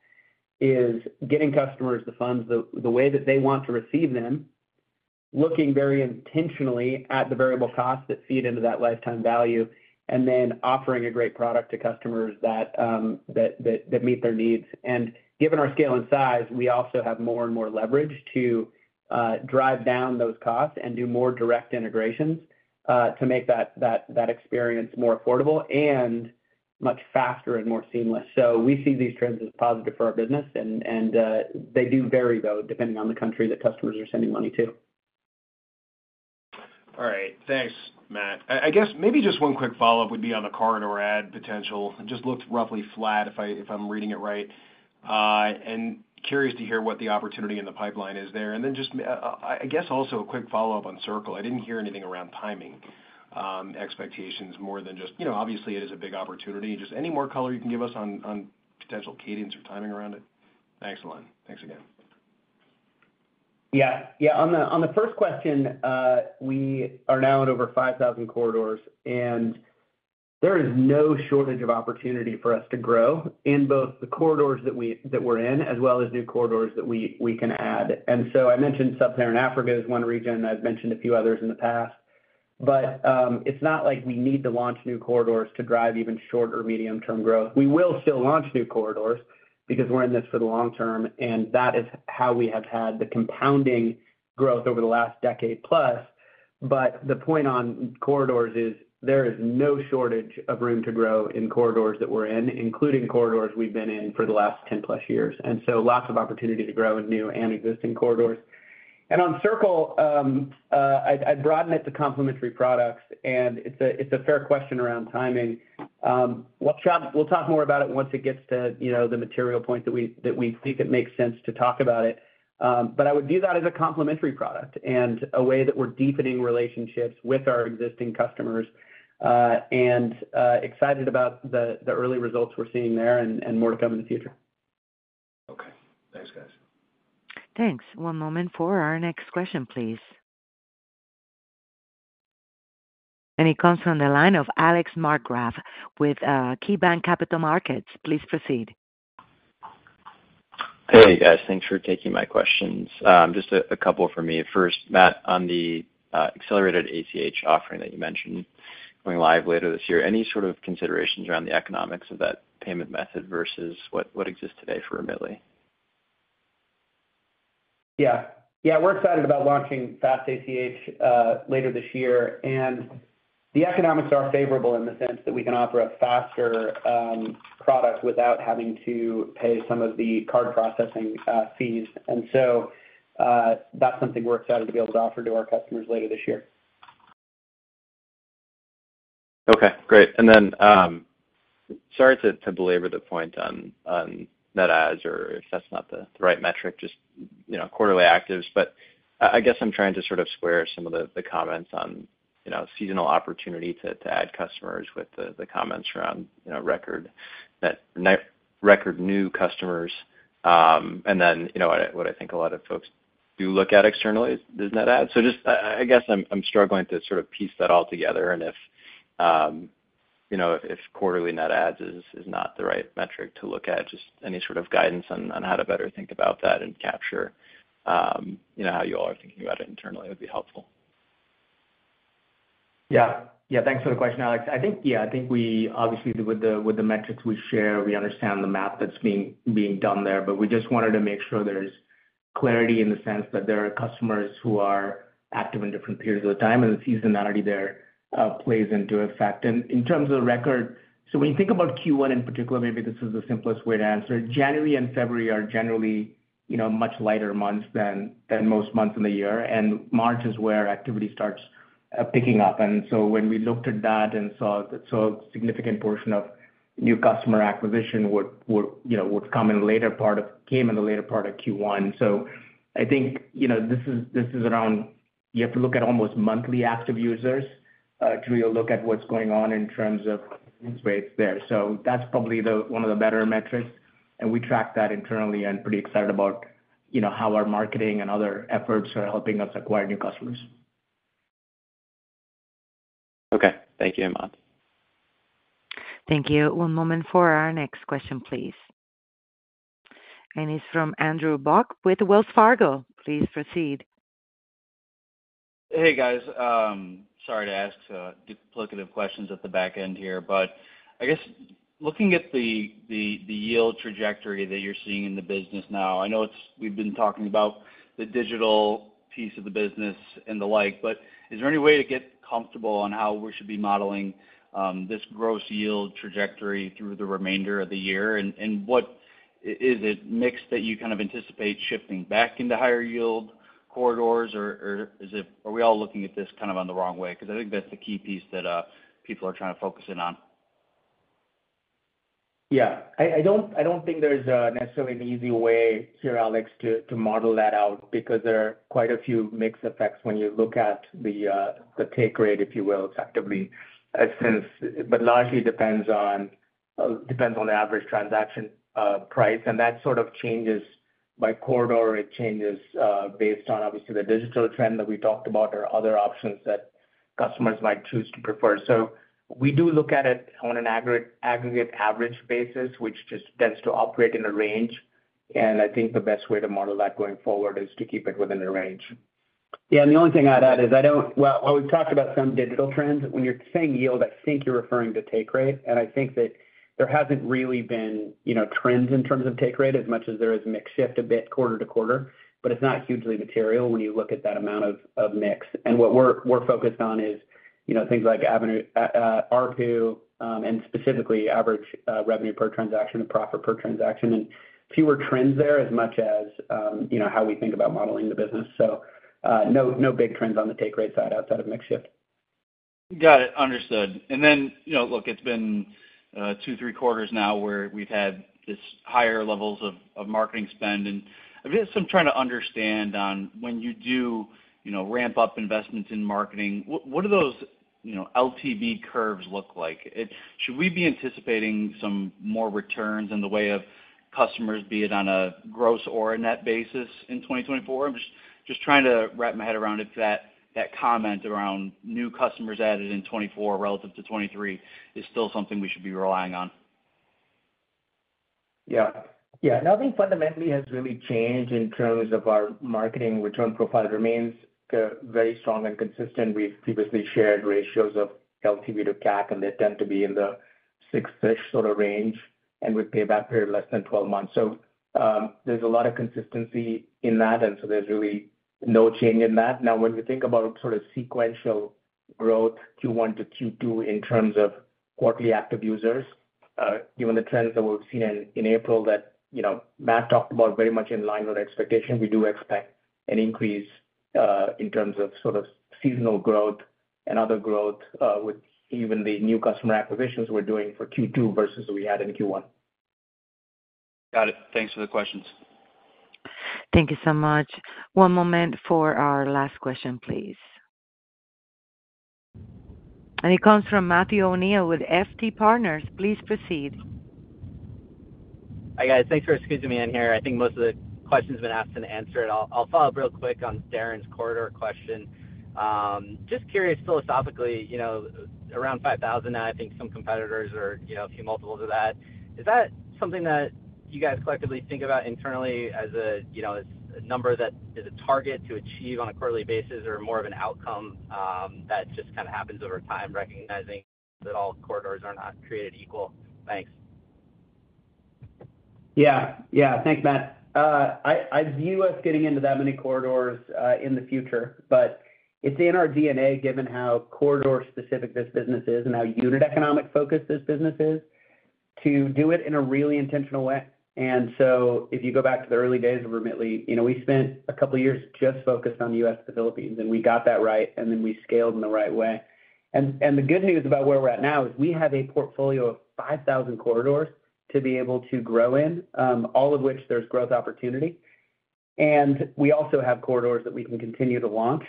is getting customers the funds the way that they want to receive them, looking very intentionally at the variable costs that feed into that lifetime value, and then offering a great product to customers that meet their needs. Given our scale and size, we also have more and more leverage to drive down those costs and do more direct integrations to make that experience more affordable and much faster and more seamless. We see these trends as positive for our business, and they do vary, though, depending on the country that customers are sending money to. All right. Thanks, Matt. I guess maybe just one quick follow-up would be on the corridor and potential. It just looked roughly flat if I'm reading it right. And curious to hear what the opportunity in the pipeline is there. And then just, I guess, also a quick follow-up on Circle. I didn't hear anything around timing expectations more than just obviously, it is a big opportunity. Just any more color you can give us on potential cadence or timing around it? Excellent. Thanks again. Yeah. Yeah. On the first question, we are now at over 5,000 corridors, and there is no shortage of opportunity for us to grow in both the corridors that we're in as well as new corridors that we can add. And so I mentioned Sub-Saharan Africa is one region. I've mentioned a few others in the past. But it's not like we need to launch new corridors to drive even shorter medium-term growth. We will still launch new corridors because we're in this for the long term, and that is how we have had the compounding growth over the last decade+. But the point on corridors is there is no shortage of room to grow in corridors that we're in, including corridors we've been in for the last 10+ years. And so lots of opportunity to grow in new and existing corridors. And on Circle, I'd broaden it to complementary products. And it's a fair question around timing. We'll talk more about it once it gets to the material point that we think it makes sense to talk about it. But I would view that as a complementary product and a way that we're deepening relationships with our existing customers and excited about the early results we're seeing there and more to come in the future. Okay. Thanks, guys. Thanks. One moment for our next question, please. It comes from the line of Alex Markgraff with KeyBanc Capital Markets. Please proceed. Hey, guys. Thanks for taking my questions. Just a couple for me. First, Matt, on the accelerated ACH offering that you mentioned going live later this year, any sort of considerations around the economics of that payment method versus what exists today for Remitly? Yeah. Yeah, we're excited about launching Fast ACH later this year. And the economics are favorable in the sense that we can offer a faster product without having to pay some of the card processing fees. And so that's something we're excited to be able to offer to our customers later this year. Okay. Great. And then sorry to belabor the point on net adds or if that's not the right metric, just quarterly actives. But I guess I'm trying to sort of square some of the comments on seasonal opportunity to add customers with the comments around record new customers and then what I think a lot of folks do look at externally is net adds. So just I guess I'm struggling to sort of piece that all together. And if quarterly net adds is not the right metric to look at, just any sort of guidance on how to better think about that and capture how you all are thinking about it internally would be helpful. Yeah. Yeah, thanks for the question, Alex. Yeah, I think we obviously, with the metrics we share, we understand the math that's being done there. But we just wanted to make sure there's clarity in the sense that there are customers who are active in different periods of the time, and the seasonality there plays into effect. In terms of record, so when you think about Q1 in particular, maybe this is the simplest way to answer. January and February are generally much lighter months than most months in the year. And March is where activity starts picking up. And so when we looked at that and saw a significant portion of new customer acquisition would come in the later part of Q1. I think this is around you have to look at almost monthly active users to really look at what's going on in terms of conversion rates there. That's probably one of the better metrics. We track that internally and pretty excited about how our marketing and other efforts are helping us acquire new customers. Okay. Thank you, Hemanth. Thank you. One moment for our next question, please. It's from Andrew Bauch with Wells Fargo. Please proceed. Hey, guys. Sorry to ask lucrative questions at the back end here. But I guess looking at the yield trajectory that you're seeing in the business now, I know we've been talking about the digital piece of the business and the like, but is there any way to get comfortable on how we should be modeling this gross yield trajectory through the remainder of the year? And is it mix that you kind of anticipate shifting back into higher yield corridors, or are we all looking at this kind of on the wrong way? Because I think that's the key piece that people are trying to focus in on. Yeah. I don't think there's necessarily an easy way here, Alex, to model that out because there are quite a few mix effects when you look at the take rate, if you will, effectively. But largely, it depends on the average transaction price. And that sort of changes by corridor. It changes based on, obviously, the digital trend that we talked about or other options that customers might choose to prefer. So we do look at it on an aggregate average basis, which just tends to operate in a range. And I think the best way to model that going forward is to keep it within a range. Yeah. And the only thing I'd add is I don't, well, we've talked about some digital trends. When you're saying yield, I think you're referring to take rate. And I think that there hasn't really been trends in terms of take rate as much as there is mix shift a bit quarter to quarter. But it's not hugely material when you look at that amount of mix. And what we're focused on is things like ARPU and specifically average revenue per transaction and profit per transaction and fewer trends there as much as how we think about modeling the business. So no big trends on the take rate side outside of mixed shift. Got it. Understood. And then, look, it's been 2, 3 quarters now where we've had this higher levels of marketing spend. And I guess I'm trying to understand on when you do ramp up investments in marketing, what do those LTV curves look like? Should we be anticipating some more returns in the way of customers, be it on a gross or a net basis in 2024? I'm just trying to wrap my head around if that comment around new customers added in 2024 relative to 2023 is still something we should be relying on. Yeah. Yeah. Nothing fundamentally has really changed in terms of our marketing return profile remains very strong and consistent. We've previously shared ratios of LTV to CAC, and they tend to be in the 6-ish sort of range and with payback period less than 12 months. So there's a lot of consistency in that, and so there's really no change in that. Now, when we think about sort of sequential growth Q1 to Q2 in terms of quarterly active users, given the trends that we've seen in April that Matt talked about very much in line with our expectation, we do expect an increase in terms of sort of seasonal growth and other growth with even the new customer acquisitions we're doing for Q2 versus what we had in Q1. Got it. Thanks for the questions. Thank you so much. One moment for our last question, please. And it comes from Matthew O'Neill with FT Partners. Please proceed. Hi, guys. Thanks for excusing me in here. I think most of the questions have been asked and answered. I'll follow up real quick on Darren's corridor question. Just curious, philosophically, around 5,000 now, I think some competitors are a few multiples of that. Is that something that you guys collectively think about internally as a number that is a target to achieve on a quarterly basis or more of an outcome that just kind of happens over time, recognizing that all corridors are not created equal? Thanks. Yeah. Yeah. Thanks, Matt. I view us getting into that many corridors in the future, but it's in our DNA, given how corridor-specific this business is and how unit economic-focused this business is, to do it in a really intentional way. And so if you go back to the early days of Remitly, we spent a couple of years just focused on the US and the Philippines, and we got that right, and then we scaled in the right way. And the good news about where we're at now is we have a portfolio of 5,000 corridors to be able to grow in, all of which there's growth opportunity. And we also have corridors that we can continue to launch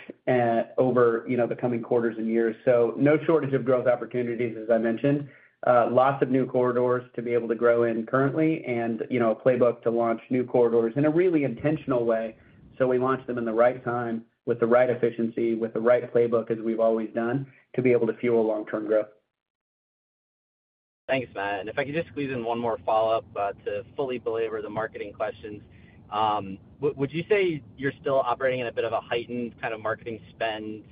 over the coming quarters and years. So no shortage of growth opportunities, as I mentioned. Lots of new corridors to be able to grow in currently and a playbook to launch new corridors in a really intentional way. So we launch them in the right time with the right efficiency, with the right playbook as we've always done to be able to fuel long-term growth. Thanks, Matt. And if I could just squeeze in one more follow-up to fully belabor the marketing questions, would you say you're still operating in a bit of a heightened kind of marketing spend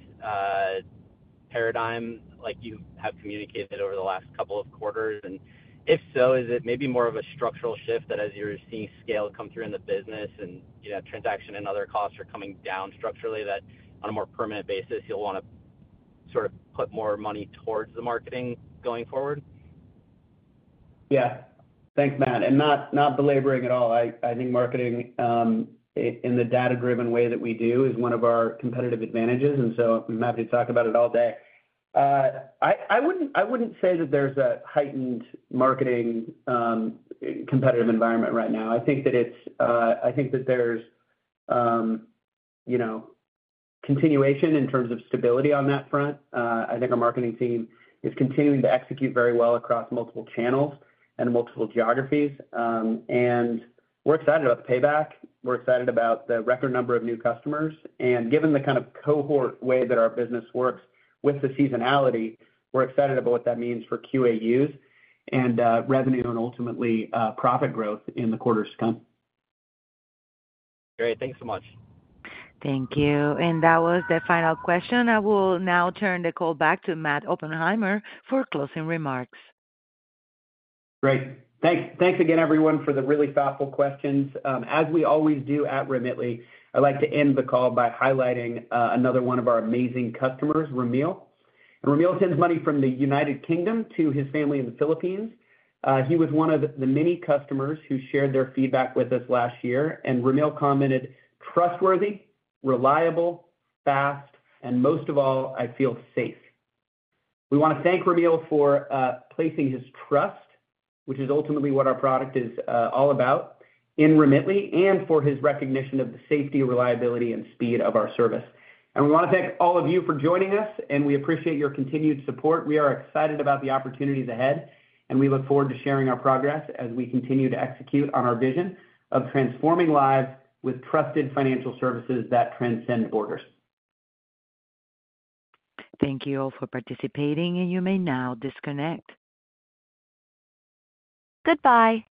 paradigm like you have communicated over the last couple of quarters? And if so, is it maybe more of a structural shift that as you're seeing scale come through in the business and transaction and other costs are coming down structurally that on a more permanent basis, you'll want to sort of put more money towards the marketing going forward? Yeah. Thanks, Matt. And not belaboring at all, I think marketing in the data-driven way that we do is one of our competitive advantages. And so I'm happy to talk about it all day. I wouldn't say that there's a heightened marketing competitive environment right now. I think that there's continuation in terms of stability on that front. I think our marketing team is continuing to execute very well across multiple channels and multiple geographies. And we're excited about the payback. We're excited about the record number of new customers. And given the kind of cohort way that our business works with the seasonality, we're excited about what that means for QAUs and revenue and ultimately profit growth in the quarters to come. Great. Thanks so much. Thank you. That was the final question. I will now turn the call back to Matt Oppenheimer for closing remarks. Great. Thanks again, everyone, for the really thoughtful questions. As we always do at Remitly, I'd like to end the call by highlighting another one of our amazing customers, Ramil. Ramil sends money from the United Kingdom to his family in the Philippines. He was one of the many customers who shared their feedback with us last year. Ramil commented, "Trustworthy, reliable, fast, and most of all, I feel safe." We want to thank Ramil for placing his trust, which is ultimately what our product is all about in Remitly, and for his recognition of the safety, reliability, and speed of our service. We want to thank all of you for joining us, and we appreciate your continued support. We are excited about the opportunities ahead, and we look forward to sharing our progress as we continue to execute on our vision of transforming lives with trusted financial services that transcend borders. Thank you all for participating. You may now disconnect. Goodbye.